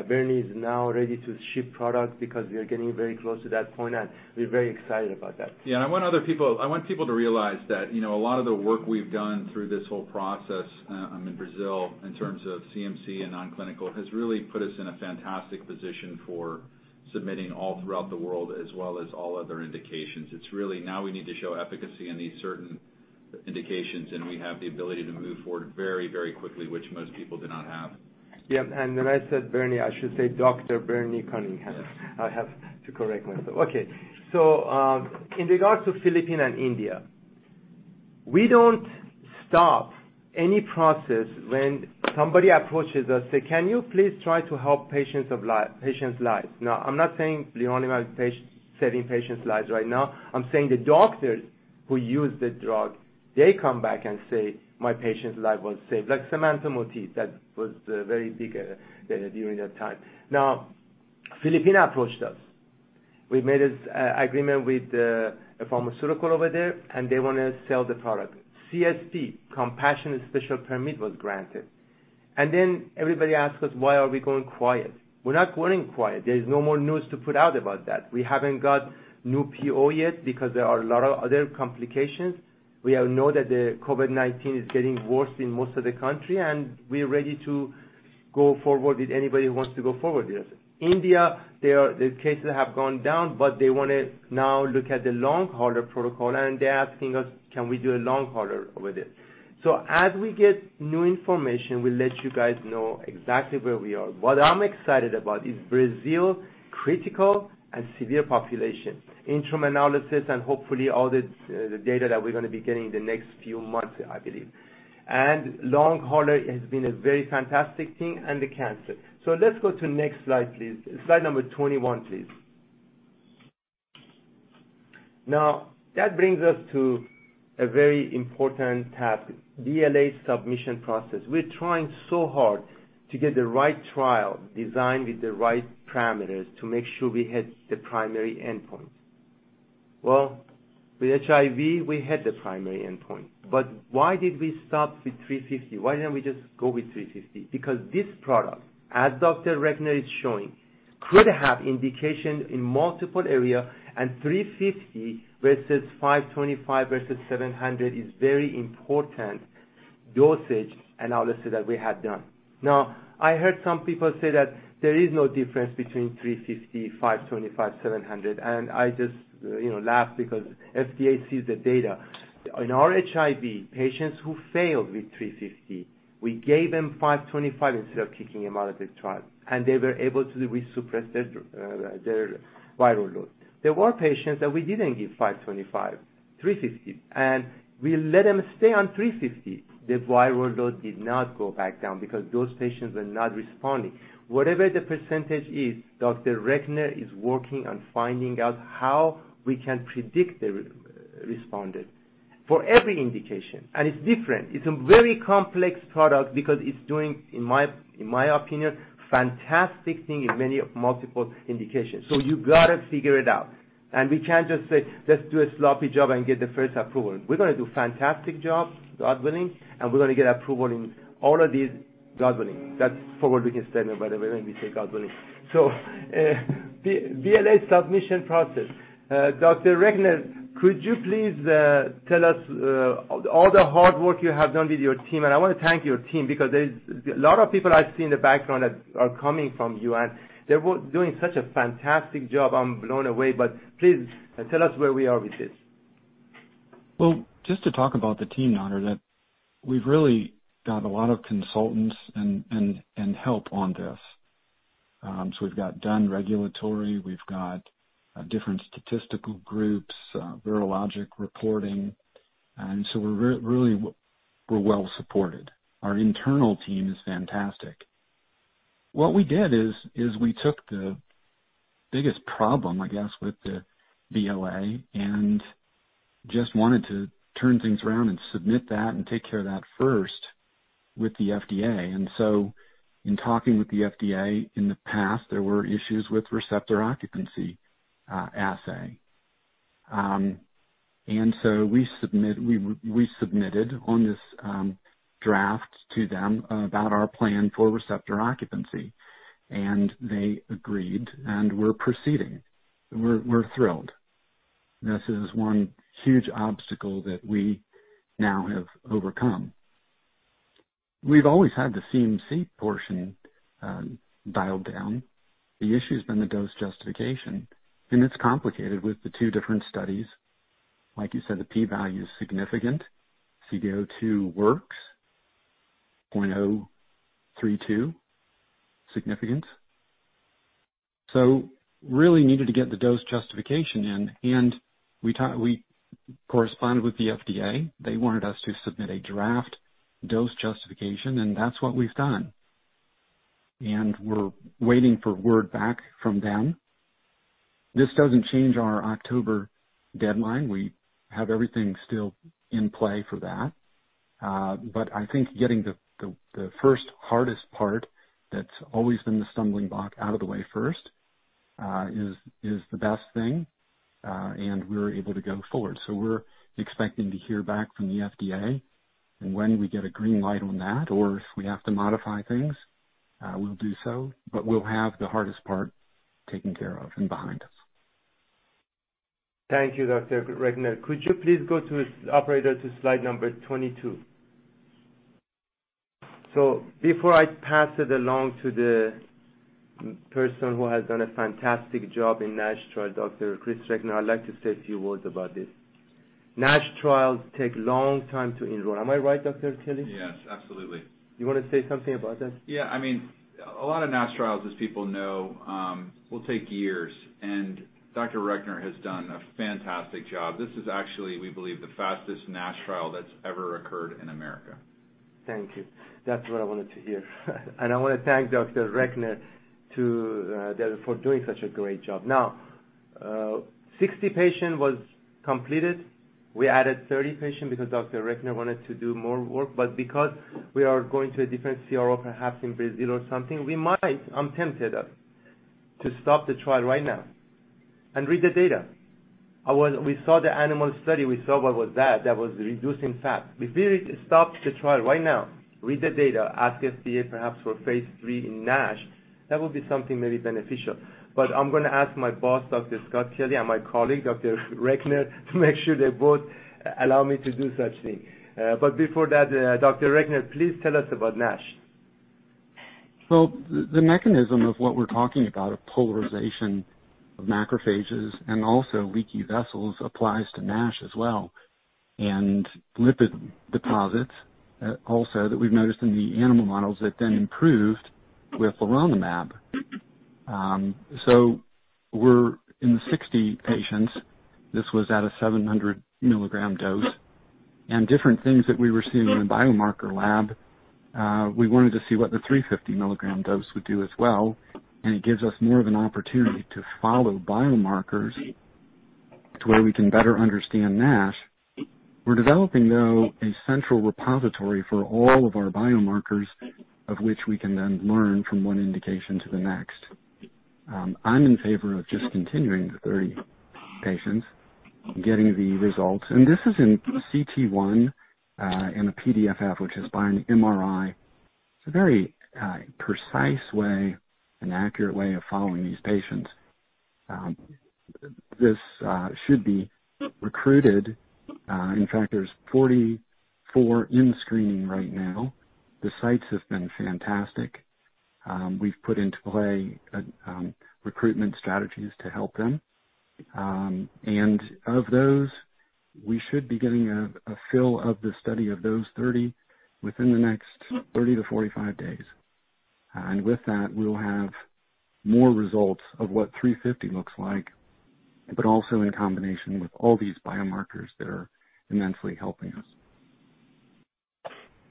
Bernie is now ready to ship product because we are getting very close to that point, and we're very excited about that. Yeah. I want people to realize that, a lot of the work we've done through this whole process in Brazil in terms of CMC and non-clinical has really put us in a fantastic position for submitting all throughout the world as well as all other indications. It is really now we need to show efficacy in these certain indications, and we have the ability to move forward very quickly, which most people do not have. Yeah. When I said Bernie, I should say Dr. Bernie Cunningham. I have to correct myself. Okay. In regards to Philippines and India, we don't stop any process when somebody approaches us, say, "Can you please try to help patients' lives?" Now, I'm not saying leronlimab is saving patients' lives right now. I'm saying the doctors who use the drug, they come back and say, "My patient's life was saved." Like Samantha Mottet, that was very big during that time. Now, Philippines approached us. We made this agreement with a pharmaceutical over there, and they want to sell the product. CSP, Compassionate Special Permit, was granted. Everybody asks us why are we going quiet. We're not going quiet. There is no more news to put out about that. We haven't got new PO yet because there are a lot of other complications. We know that the COVID-19 is getting worse in most of the country, and we are ready to go forward with anybody who wants to go forward with us. India, their cases have gone down, but they want to now look at the long hauler protocol, and they're asking us, can we do a long hauler over there. As we get new information, we'll let you guys know exactly where we are. What I'm excited about is Brazil critical and severe population, interim analysis, and hopefully all the data that we're going to be getting the next few months, I believe. Long hauler has been a very fantastic thing and the cancer. Let's go to next slide, please. Slide number 21, please. Now, that brings us to a very important topic, BLA submission process. We're trying so hard to get the right trial designed with the right parameters to make sure we hit the primary endpoint. With HIV, we hit the primary endpoint. Why did we stop with 350 mg? Why didn't we just go with 350 mg? This product, as Dr. Recknor is showing, could have indication in multiple area, and 350 mg versus 525 mg versus 700 mg is very important dosage analysis that we have done. I heard some people say that there is no difference between 350 mg, 525 mg, 700 mg, and I just laugh because FDA sees the data. In our HIV, patients who failed with 350 mg, we gave them 525 mg instead of kicking them out of the trial. They were able to resuppress their viral load. There were patients that we didn't give 525 mg, 350 mg, and we let them stay on 350 mg. The viral load did not go back down because those patients were not responding. Whatever the percentage is, Dr. Recknor is working on finding out how we can predict the responded for every indication, and it's different. It's a very complex product because it's doing, in my opinion, fantastic thing in many multiple indications. You got to figure it out. We can't just say, "Let's do a sloppy job and get the first approval." We're going to do fantastic job, God willing, and we're going to get approval in all of these, God willing. That's forward-looking statement, by the way, when we say God willing. BLA submission process. Dr. Recknor, could you please tell us all the hard work you have done with your team? I want to thank your team because there's a lot of people I see in the background that are coming from you, and they're doing such a fantastic job. I'm blown away. Please tell us where we are with this. Just to talk about the team, Nader, that we've really got a lot of consultants and help on this. We've got Dunn Regulatory, we've got different statistical groups, Virologic Reporting, and so we're really well supported. Our internal team is fantastic. What we did is we took the biggest problem, I guess, with the BLA and just wanted to turn things around and submit that and take care of that first with the FDA. In talking with the FDA, in the past, there were issues with receptor occupancy assay. We submitted on this draft to them about our plan for receptor occupancy, and they agreed, and we're proceeding. We're thrilled. This is one huge obstacle that we now have overcome. We've always had the CMC portion dialed down. The issue's been the dose justification, and it's complicated with the two different studies. Like you said, the p-value is significant. CD02 works, 0.032 significant. Really needed to get the dose justification in, and we corresponded with the FDA. They wanted us to submit a draft dose justification, and that's what we've done. We're waiting for word back from them. This doesn't change our October deadline. We have everything still in play for that. I think getting the first hardest part that's always been the stumbling block out of the way first is the best thing, and we're able to go forward. We're expecting to hear back from the FDA. When we get a green light on that, or if we have to modify things, we'll do so, but we'll have the hardest part taken care of and behind us. Thank you, Dr. Recknor. Could you please go to, operator, to slide number 22? Before I pass it along to the person who has done a fantastic job in NASH trial, Dr. Chris Recknor, I'd like to say a few words about this. NASH trials take a long time to enroll. Am I right, Dr. Kelly? Yes, absolutely. You want to say something about that? Yeah, a lot of NASH trials, as people know, will take years, and Dr. Recknor has done a fantastic job. This is actually, we believe, the fastest NASH trial that's ever occurred in America. Thank you. That's what I wanted to hear. I want to thank Dr. Recknor for doing such a great job. 60 patient was completed. We added 30 patient because Dr. Recknor wanted to do more work. Because we are going to a different CRO, perhaps in Brazil or something, we might, I'm tempted, to stop the trial right now and read the data. We saw the animal study, we saw what was that was reducing fat. If we stop the trial right now, read the data, ask FDA perhaps for phase III in NASH, that would be something maybe beneficial. I'm going to ask my boss, Dr. Scott Kelly, and my colleague, Dr. Recknor, to make sure they both allow me to do such thing. Before that, Dr. Recknor, please tell us about NASH. The mechanism of what we're talking about, of polarization of macrophages and also leaky vessels, applies to NASH as well, and lipid deposits, also, that we've noticed in the animal models that then improved with leronlimab. We're in the 60 patients. This was at a 700 mg dose. Different things that we were seeing in the biomarker lab, we wanted to see what the 350 mg dose would do as well, and it gives us more of an opportunity to follow biomarkers to where we can better understand NASH. We're developing, though, a central repository for all of our biomarkers of which we can then learn from one indication to the next. I'm in favor of just continuing the 30 patients, getting the results, and this is in cT1 and a PDFF, which is by an MRI. It's a very precise way, an accurate way of following these patients. This should be recruited. In fact, there's 44 in screening right now. The sites have been fantastic. We've put into play recruitment strategies to help them. Of those, we should be getting a fill of the study of those 30 within the next 30-45 days. With that, we'll have more results of what 350 mg looks like, but also in combination with all these biomarkers that are immensely helping us.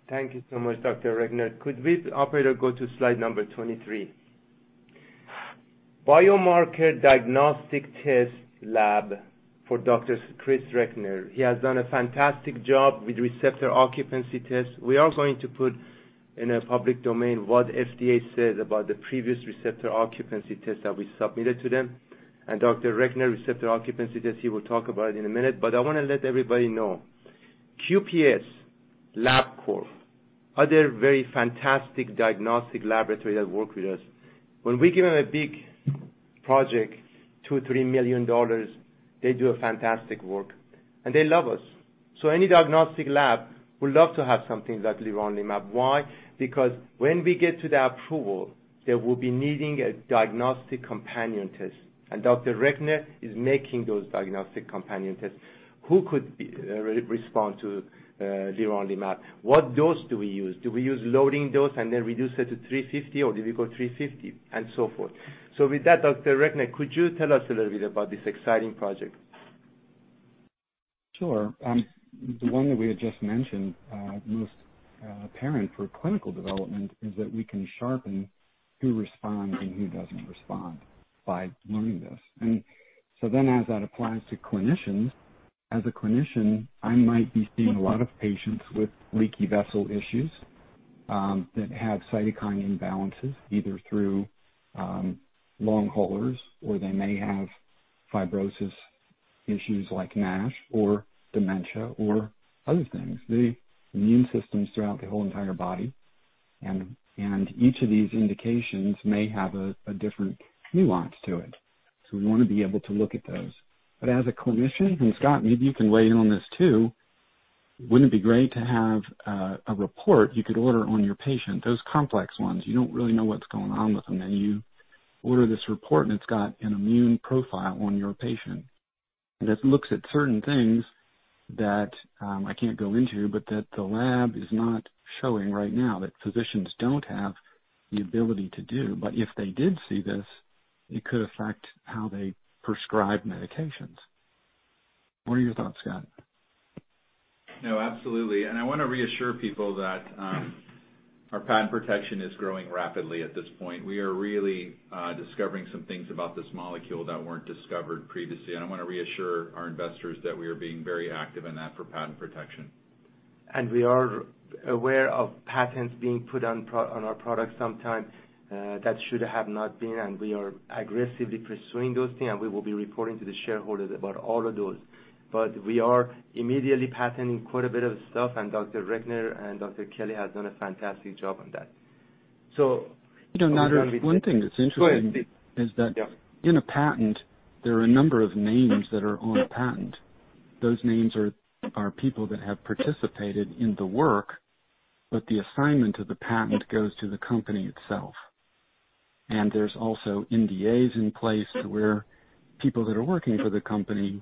Thank you so much, Chris Recknor. Could we, operator, go to slide number 23? Biomarker diagnostic test lab for Chris Recknor. He has done a fantastic job with receptor occupancy test. We are going to put in a public domain what FDA said about the previous receptor occupancy test that we submitted to them. Dr. Recknor receptor occupancy test, he will talk about in a minute. I want to let everybody know, QPS, LabCorp, other very fantastic diagnostic laboratory that work with us, when we give them a big project, $2 million or $3 million, they do a fantastic work, and they love us. Any diagnostic lab would love to have something like leronlimab. Why? Because when we get to the approval, they will be needing a diagnostic companion test, and Dr. Recknor is making those diagnostic companion tests. Who could respond to leronlimab? What dose do we use? Do we use loading dose and then reduce it to 350 mg, or do we go 350 mg and so forth. With that, Dr. Recknor, could you tell us a little bit about this exciting project? Sure. The one that we had just mentioned, most apparent for clinical development is that we can sharpen who responds and who doesn't respond by learning this. As that applies to clinicians, as a clinician, I might be seeing a lot of patients with leaky vessel issues, that have cytokine imbalances, either through long haulers or they may have fibrosis issues like NASH or dementia or other things, the immune systems throughout the whole entire body. Each of these indications may have a different nuance to it. We want to be able to look at those. As a clinician, and Scott, maybe you can weigh in on this too, wouldn't it be great to have a report you could order on your patient, those complex ones, you don't really know what's going on with them, and you order this report, and it's got an immune profile on your patient, that looks at certain things that I can't go into, but that the lab is not showing right now, that physicians don't have the ability to do. If they did see this, it could affect how they prescribe medications. What are your thoughts, Scott? No, absolutely. I want to reassure people that our patent protection is growing rapidly at this point. We are really discovering some things about this molecule that weren't discovered previously. I want to reassure our investors that we are being very active in that for patent protection. We are aware of patents being put on our products sometimes that should have not been, and we are aggressively pursuing those things, and we will be reporting to the shareholders about all of those. We are immediately patenting quite a bit of stuff, and Dr. Recknor and Dr. Kelly have done a fantastic job on that. Nader, one thing that's interesting is that in a patent, there are a number of names that are on a patent. Those names are people that have participated in the work, but the assignment of the patent goes to the company itself. There's also NDAs in place where people that are working for the company,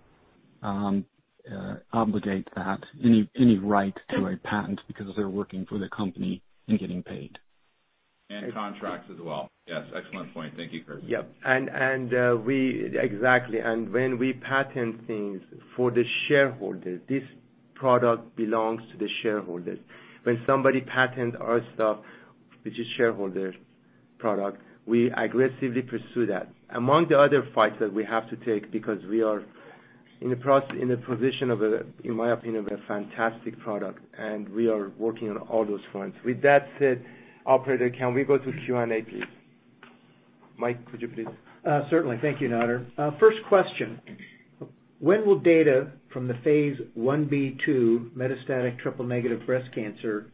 obligate that, any right to a patent because they're working for the company and getting paid. Contracts as well. Yes, excellent point. Thank you, Chris. Yep, exactly. When we patent things for the shareholders, this product belongs to the shareholders. When somebody patents our stuff, which is shareholders' product, we aggressively pursue that. Among the other fights that we have to take because we are in the position of a, in my opinion, a fantastic product, and we are working on all those fronts. With that said, operator, can we go to Q&A, please? Mike, could you please? Certainly. Thank you, Nader. First question, when will data from the phase I-B/II metastatic triple-negative breast cancer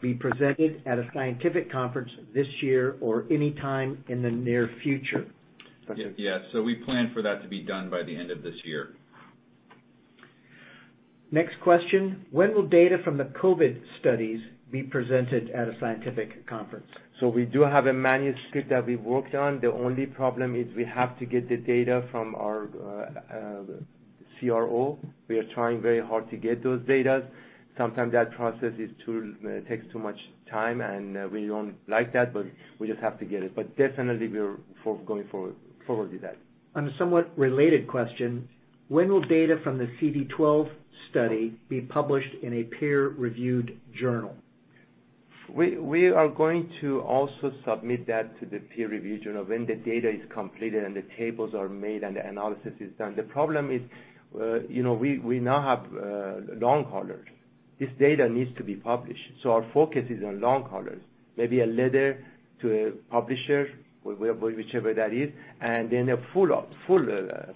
be presented at a scientific conference this year or any time in the near future? Okay. Yes, we plan for that to be done by the end of this year. Next question, when will data from the COVID studies be presented at a scientific conference? We do have a manuscript that we worked on. The only problem is we have to get the data from our CRO. We are trying very hard to get those data. Sometimes that process takes too much time, and we don't like that, but we just have to get it. Definitely, we're going forward with that. On a somewhat related question, when will data from the CD12 study be published in a peer-reviewed journal? We are going to also submit that to the peer review journal when the data is completed, and the tables are made, and the analysis is done. The problem is we now have long haulers. This data needs to be published. Our focus is on long haulers. Maybe a letter to a publisher, whichever that is, and then a full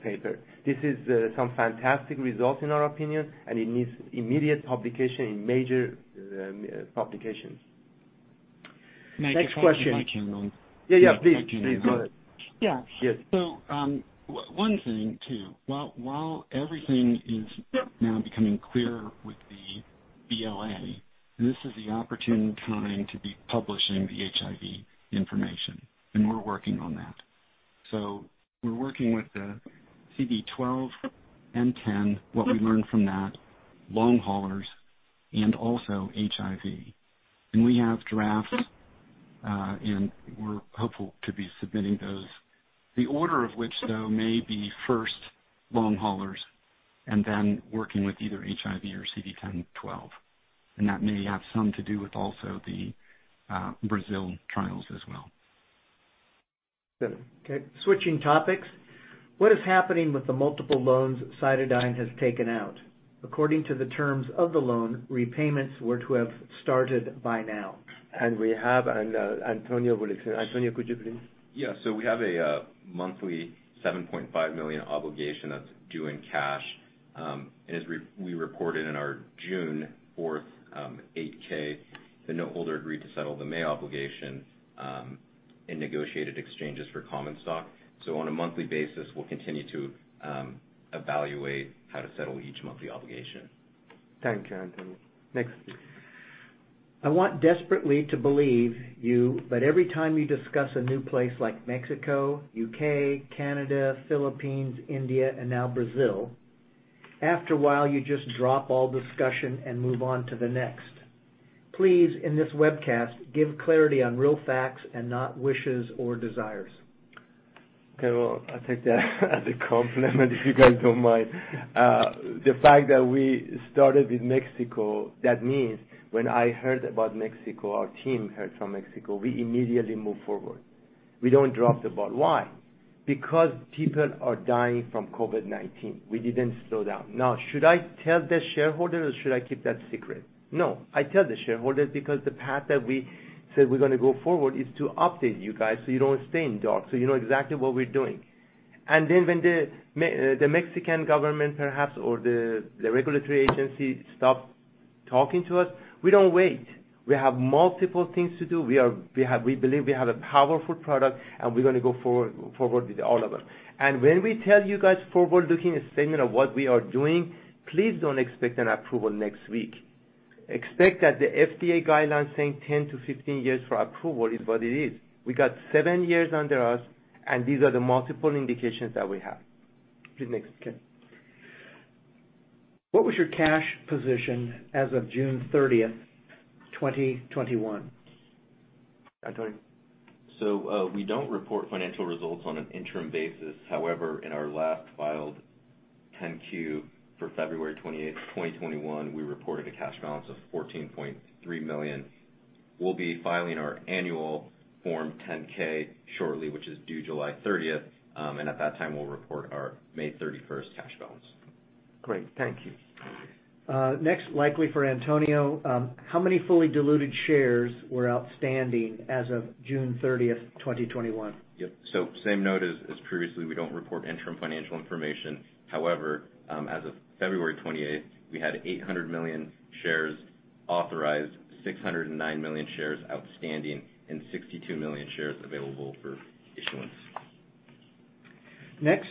paper. This is some fantastic results in our opinion, and it needs immediate publication in major publications. Next question. Mike, if I can weigh in on. Yeah, please. Go ahead. Yeah. Yes. One thing too, while everything is now becoming clearer with the BLA, this is the opportune time to be publishing the HIV information, and we're working on that. We're working with the CD12, CD10, what we learned from that, long haulers, and also HIV. We have drafts, and we're hopeful to be submitting those. The order of which, though, may be first long haulers, and then working with either HIV or CD10/12. That may have something to do with also the Brazil trials as well. Good. Okay, switching topics. What is happening with the multiple loans CytoDyn has taken out? According to the terms of the loan, repayments were to have started by now. We have, and Antonio will explain. Antonio, could you please? Yeah. We have a monthly $7.5 million obligation that's due in cash. As we reported on our June 4th 8-K, the note holder agreed to settle the May obligation in negotiated exchanges for common stock. On a monthly basis, we'll continue to evaluate how to settle each monthly obligation. Thank you, Antonio. Next. I want desperately to believe you, but every time you discuss a new place like Mexico, U.K., Canada, Philippines, India, and now Brazil, after a while, you just drop all discussion and move on to the next. Please, in this webcast, give clarity on real facts and not wishes or desires. Okay, well, I'll take that as a compliment, if you guys don't mind. The fact that we started with Mexico, that means when I heard about Mexico, our team heard from Mexico, we immediately move forward. We don't drop the ball. Why? Because people are dying from COVID-19. We didn't slow down. Should I tell the shareholders, or should I keep that secret? No, I tell the shareholders because the path that we said we're going to go forward is to update you guys so you don't stay in dark, so you know exactly what we're doing. When the Mexican government perhaps or the regulatory agency stopped talking to us, we don't wait. We have multiple things to do. We believe we have a powerful product, and we're going to go forward with all of them. When we tell you guys forward-looking statement of what we are doing, please don't expect an approval next week. Expect that the FDA guidelines saying 10-15 years for approval is what it is. We got seven years under us, and these are the multiple indications that we have. Please next, okay. What was your cash position as of June 30th, 2021? Antonio? We don't report financial results on an interim basis. However, in our last filed 10-Q for February 28th, 2021, we reported a cash balance of $14.3 million. We'll be filing our annual Form 10-K shortly, which is due July 30th. At that time, we'll report our May 31st cash balance. Great. Thank you. Next, likely for Antonio, how many fully diluted shares were outstanding as of June 30th, 2021? Yep. Same note as previously, we don't report interim financial information. However, as of February 28th, we had 800 million shares authorized, 609 million shares outstanding, and 62 million shares available for issuance. Next,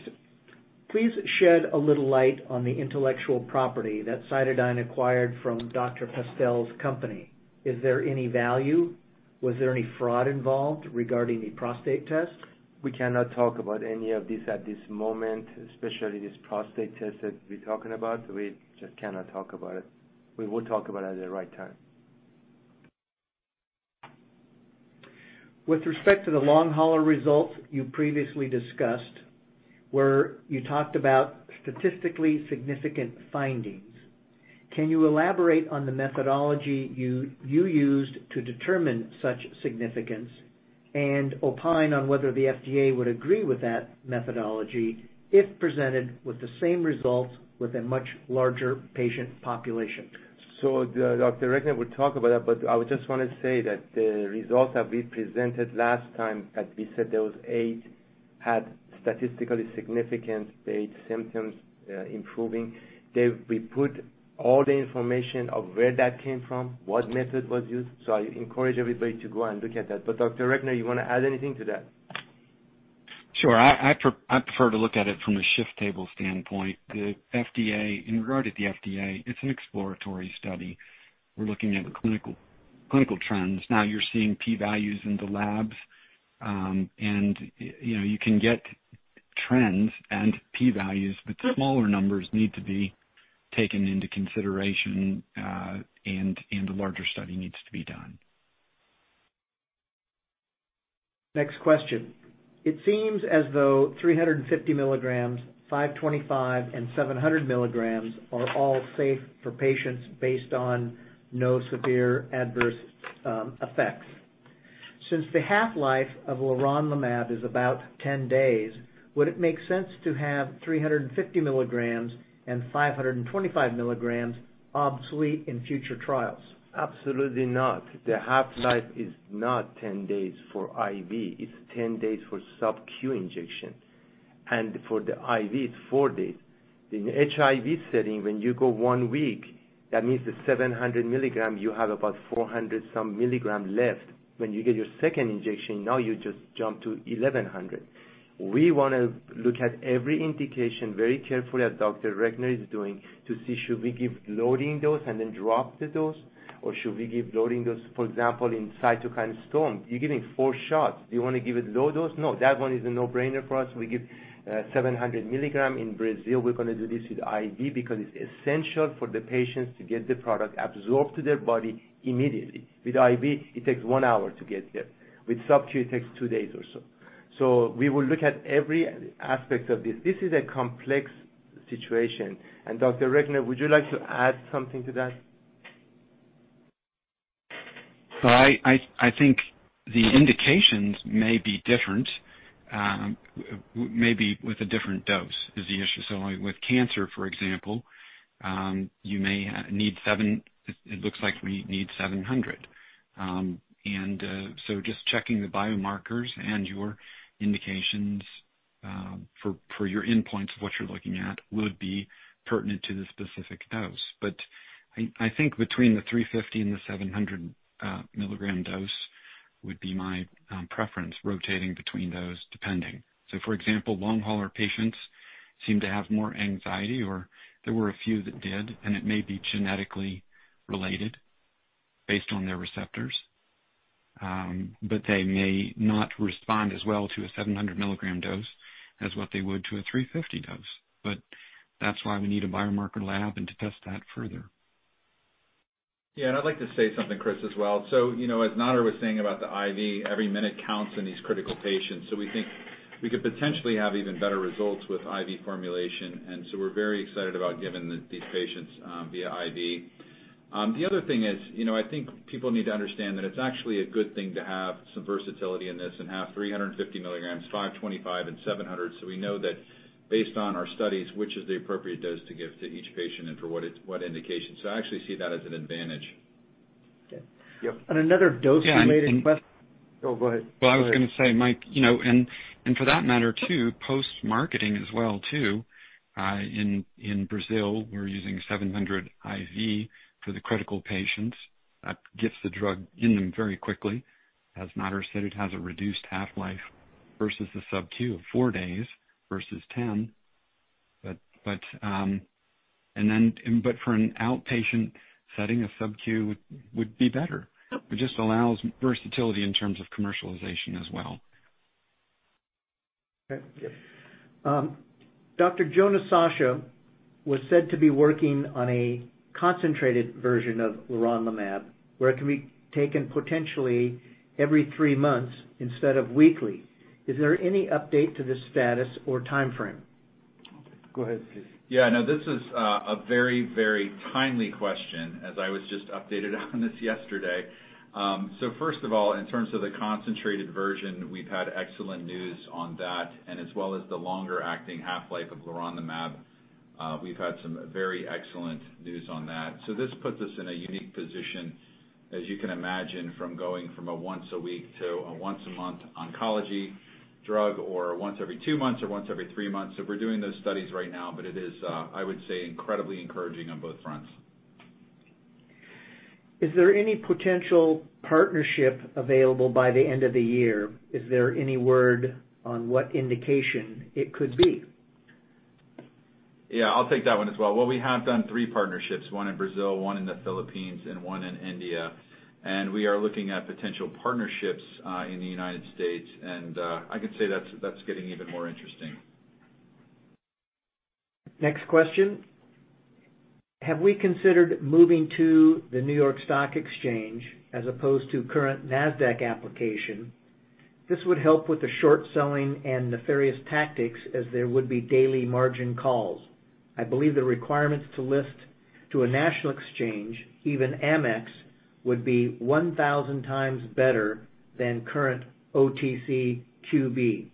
please shed a little light on the intellectual property that CytoDyn acquired from Dr. Pestell's company. Is there any value? Was there any fraud involved regarding the prostate test? We cannot talk about any of this at this moment, especially this prostate test that we're talking about. We just cannot talk about it. We will talk about it at the right time. With respect to the long hauler results you previously discussed, where you talked about statistically significant findings, can you elaborate on the methodology you used to determine such significance and opine on whether the FDA would agree with that methodology if presented with the same results with a much larger patient population? Dr. Recknor would talk about that, but I would just want to say that the results that we presented last time, as we said, those eight had statistically significant VAIDS symptoms improving. We put all the information of where that came from, what method was used. I encourage everybody to go and look at that. Dr. Recknor, you want to add anything to that? Sure. I prefer to look at it from a shift table standpoint. In regard to the FDA, it's an exploratory study. We're looking at clinical trends. Now you're seeing p-values in the labs. You can get trends and p-values, but the smaller numbers need to be taken into consideration, and a larger study needs to be done. Next question. It seems as though 350 mg, 525 mg, and 700 mg are all safe for patients based on no severe adverse effects. Since the half-life of leronlimab is about 10 days, would it make sense to have 350 mg and 525 mg obsolete in future trials? Absolutely not. The half-life is not 10 days for IV. It's 10 days for Sub-Q injection. For the IV, it's 4 days. In the HIV setting, when you go one week, that means the 700 mg, you have about some 400 mg left. When you get your second injection, now you just jump to 1,100 mg. We want to look at every indication very carefully as Dr. Recknor is doing to see should we give loading dose and then drop the dose, or should we give loading dose, for example, in cytokine storm. You're giving four shots. Do you want to give it low dose? No. That one is a no-brainer for us. We give 700 mg in Brazil. We're going to do this with IV because it's essential for the patients to get the product absorbed to their body immediately. With IV, it takes 1 hour to get there. With Sub-Q, it takes two days or so. We will look at every aspect of this. This is a complex situation. Dr. Recknor, would you like to add something to that? I think the indications may be different, maybe with a different dose is the issue. With cancer, for example, it looks like we need 700 mg. Just checking the biomarkers and your indications for your endpoints of what you're looking at would be pertinent to the specific dose. I think between the 350 mg and the 700 mg dose would be my preference rotating between those depending. For example, long hauler patients seem to have more anxiety, or there were a few that did, and it may be genetically related based on their receptors. They may not respond as well to a 700 mg dose as what they would to a 350 mg dose. That's why we need a biomarker lab and to test that further. Yeah, I'd like to say something, Chris, as well. As Nader was saying about the IV, every minute counts in these critical patients. We think we could potentially have even better results with IV formulation. We're very excited about giving these patients via IV. The other thing is, I think people need to understand that it's actually a good thing to have some versatility in this and have 350 mg, 525 mg, and 700 mg so we know that based on our studies, which is the appropriate dose to give to each patient and for what indication. I actually see that as an advantage. Okay. Yep. Another dosing-related question. Oh, go ahead. Well, I was going to say, Mike, and for that matter too, post-marketing as well too. In Brazil, we're using 700 mg IV for the critical patients. That gets the drug in them very quickly. As Nader said, it has a reduced half-life versus the sub-Q of four days versus 10 days. For an outpatient setting, a sub-Q would be better. It just allows versatility in terms of commercialization as well. Okay. Dr. Jonah Sacha was said to be working on a concentrated version of leronlimab, where it can be taken potentially every three months instead of weekly. Is there any update to this status or timeframe? Go ahead, please. Yeah, no, this is a very timely question as I was just updated on this yesterday. First of all, in terms of the concentrated version, we've had excellent news on that, and as well as the longer-acting half-life of leronlimab. We've had some very excellent news on that. This puts us in a unique position, as you can imagine, from going from a once a week to a once a month oncology drug, or once every two months, or once every three months. We're doing those studies right now, but it is, I would say, incredibly encouraging on both fronts. Is there any potential partnership available by the end of the year? Is there any word on what indication it could be? Yeah, I'll take that one as well. Well, we have done three partnerships, one in Brazil, one in the Philippines, and one in India, and we are looking at potential partnerships in the United States, and I can say that's getting even more interesting. Next question. Have we considered moving to the New York Stock Exchange as opposed to current Nasdaq application? This would help with the short selling and nefarious tactics as there would be daily margin calls. I believe the requirements to list to a national exchange, even Amex, would be 1,000x better than current OTCQB.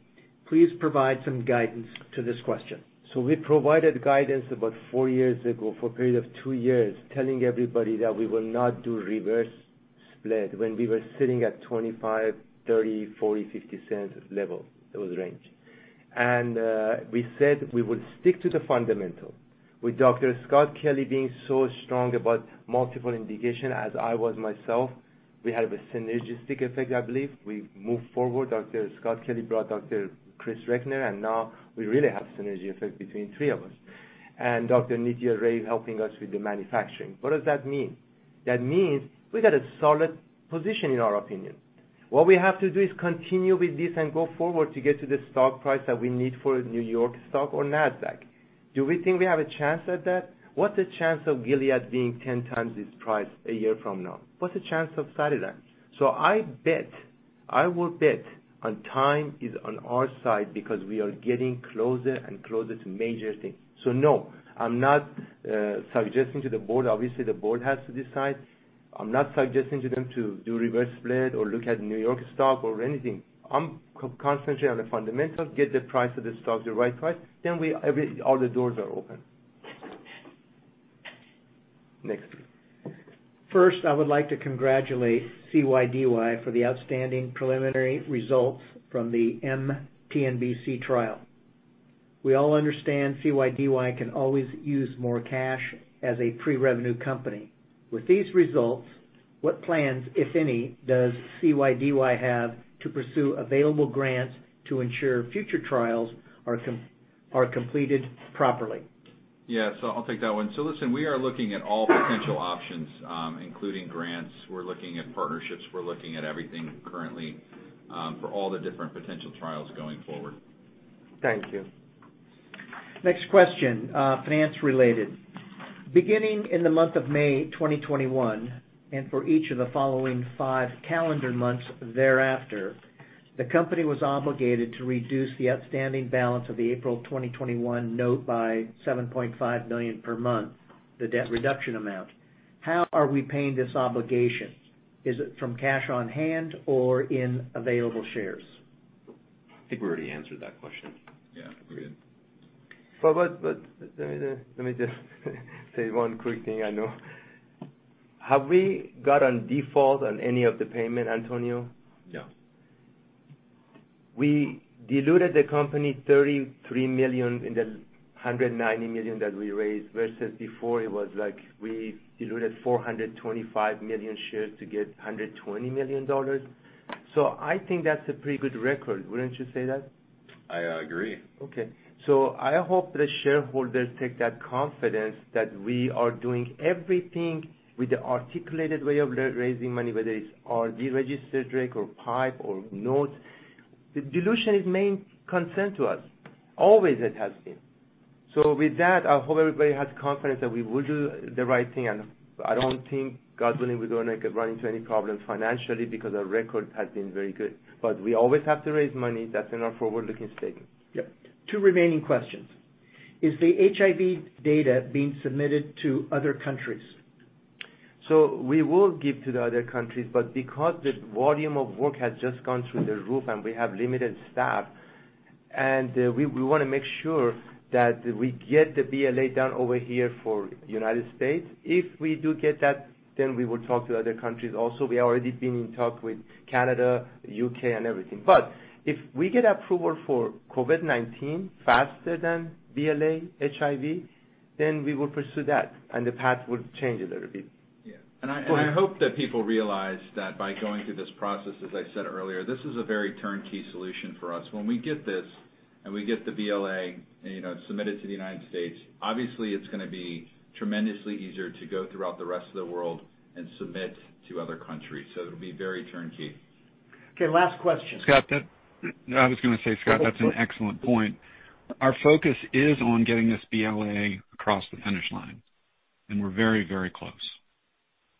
Please provide some guidance to this question. We provided guidance about four years ago for a period of two years, telling everybody that we will not do reverse split when we were sitting at $0.25, $0.30, $0.40, $0.50 level. That was the range. We said we would stick to the fundamental. With Dr. Scott Kelly being so strong about multiple indication, as I was myself, we have a synergistic effect, I believe. We moved forward. Dr. Scott Kelly brought Dr. Chris Recknor, and now we really have synergy effect between three of us. Dr. Nitya Ray helping us with the manufacturing. What does that mean? That means we got a solid position in our opinion. What we have to do is continue with this and go forward to get to the stock price that we need for New York Stock or Nasdaq. Do we think we have a chance at that? What's the chance of Gilead being 10x its price a year from now? What's the chance of [siding that]? I will bet on time is on our side because we are getting closer and closer to major things. No, I'm not suggesting to the board. Obviously, the board has to decide. I'm not suggesting to them to do reverse split or look at New York Stock or anything. I'm concentrating on the fundamentals, get the price of the stock the right price, then all the doors are open. Next. First, I would like to congratulate CYDY for the outstanding preliminary results from the mTNBC trial. We all understand CYDY can always use more cash as a pre-revenue company. With these results, what plans, if any, does CYDY have to pursue available grants to ensure future trials are completed properly? Yeah, I'll take that one. Listen, we are looking at all potential options, including grants. We're looking at partnerships. We're looking at everything currently, for all the different potential trials going forward. Thank you. Next question. Finance related. Beginning in the month of May 2021, and for each of the following five calendar months thereafter, the company was obligated to reduce the outstanding balance of the April 2021 note by $7.5 million per month, the debt reduction amount. How are we paying this obligation? Is it from cash on hand or in available shares? I think we already answered that question. Yeah, we did. Let me just say one quick thing. I know. Have we got on default on any of the payment, Antonio? No. We diluted the company $33 million in the $190 million that we raised, versus before it was like we diluted 425 million shares to get $120 million. I think that's a pretty good record. Wouldn't you say that? I agree. Okay. I hope the shareholders take that confidence that we are doing everything with the articulated way of raising money, whether it's RD registered direct or PIPE or notes. The dilution is main concern to us. Always it has been. With that, I hope everybody has confidence that we will do the right thing, and I don't think, God willing, we're going to run into any problems financially because our record has been very good. We always have to raise money. That's in our forward-looking statement. Yep. Two remaining questions. Is the HIV data being submitted to other countries? We will give to the other countries, but because the volume of work has just gone through the roof and we have limited staff, and we want to make sure that we get the BLA done over here for United States. If we do get that, then we will talk to other countries also. We already been in talk with Canada, U.K., and everything. If we get approval for COVID-19 faster than BLA HIV, we will pursue that, and the path will change a little bit. Yeah. Go ahead. I hope that people realize that by going through this process, as I said earlier, this is a very turnkey solution for us. When we get this and we get the BLA submitted to the United States, obviously it's going to be tremendously easier to go throughout the rest of the world and submit to other countries. It'll be very turnkey. Okay, last question. Scott, I was going to say, that's an excellent point. Our focus is on getting this BLA across the finish line, and we're very close.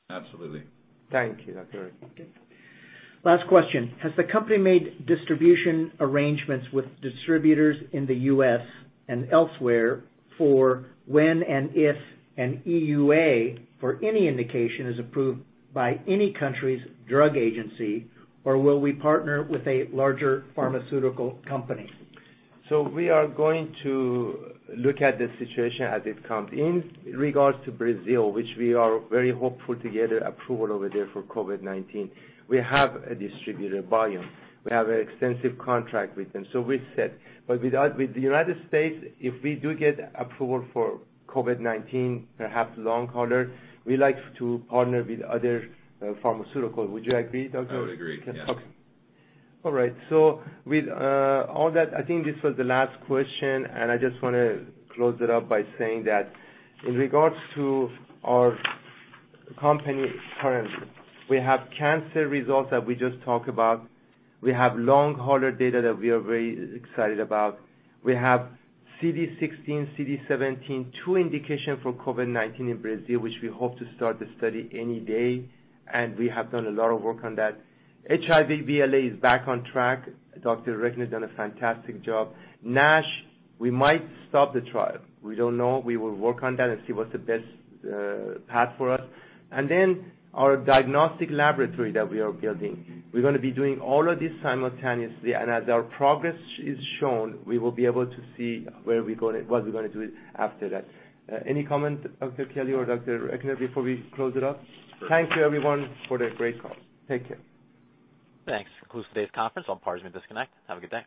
Absolutely. Thank you, Dr. Recknor. Last question. Has the company made distribution arrangements with distributors in the U.S. and elsewhere for when and if an EUA for any indication is approved by any country's drug agency, or will we partner with a larger pharmaceutical company? We are going to look at the situation as it comes. In regards to Brazil, which we are very hopeful to get approval over there for COVID-19, we have a distributor, Biomm. We have an extensive contract with them, we're set. With the United States, if we do get approval for COVID-19, perhaps long hauler, we like to partner with other pharmaceutical. Would you agree, Doctor? I would agree, yeah. Okay. All right. With all that, I think this was the last question, and I just want to close it up by saying that in regards to our company currently, we have cancer results that we just talked about. We have long hauler data that we are very excited about. We have CD16, CD17, two indications for COVID-19 in Brazil, which we hope to start the study any day, and we have done a lot of work on that. HIV BLA is back on track. Dr. Recknor has done a fantastic job. NASH, we might stop the trial. We don't know. We will work on that and see what's the best path for us. Our diagnostic laboratory that we are building, we're going to be doing all of this simultaneously, and as our progress is shown, we will be able to see what we're going to do after that. Any comment, Dr. Kelly or Dr. Recknor, before we close it up? Thank you everyone for the great call. Take care. Thanks. Concludes today's conference. All parties may disconnect. Have a good day.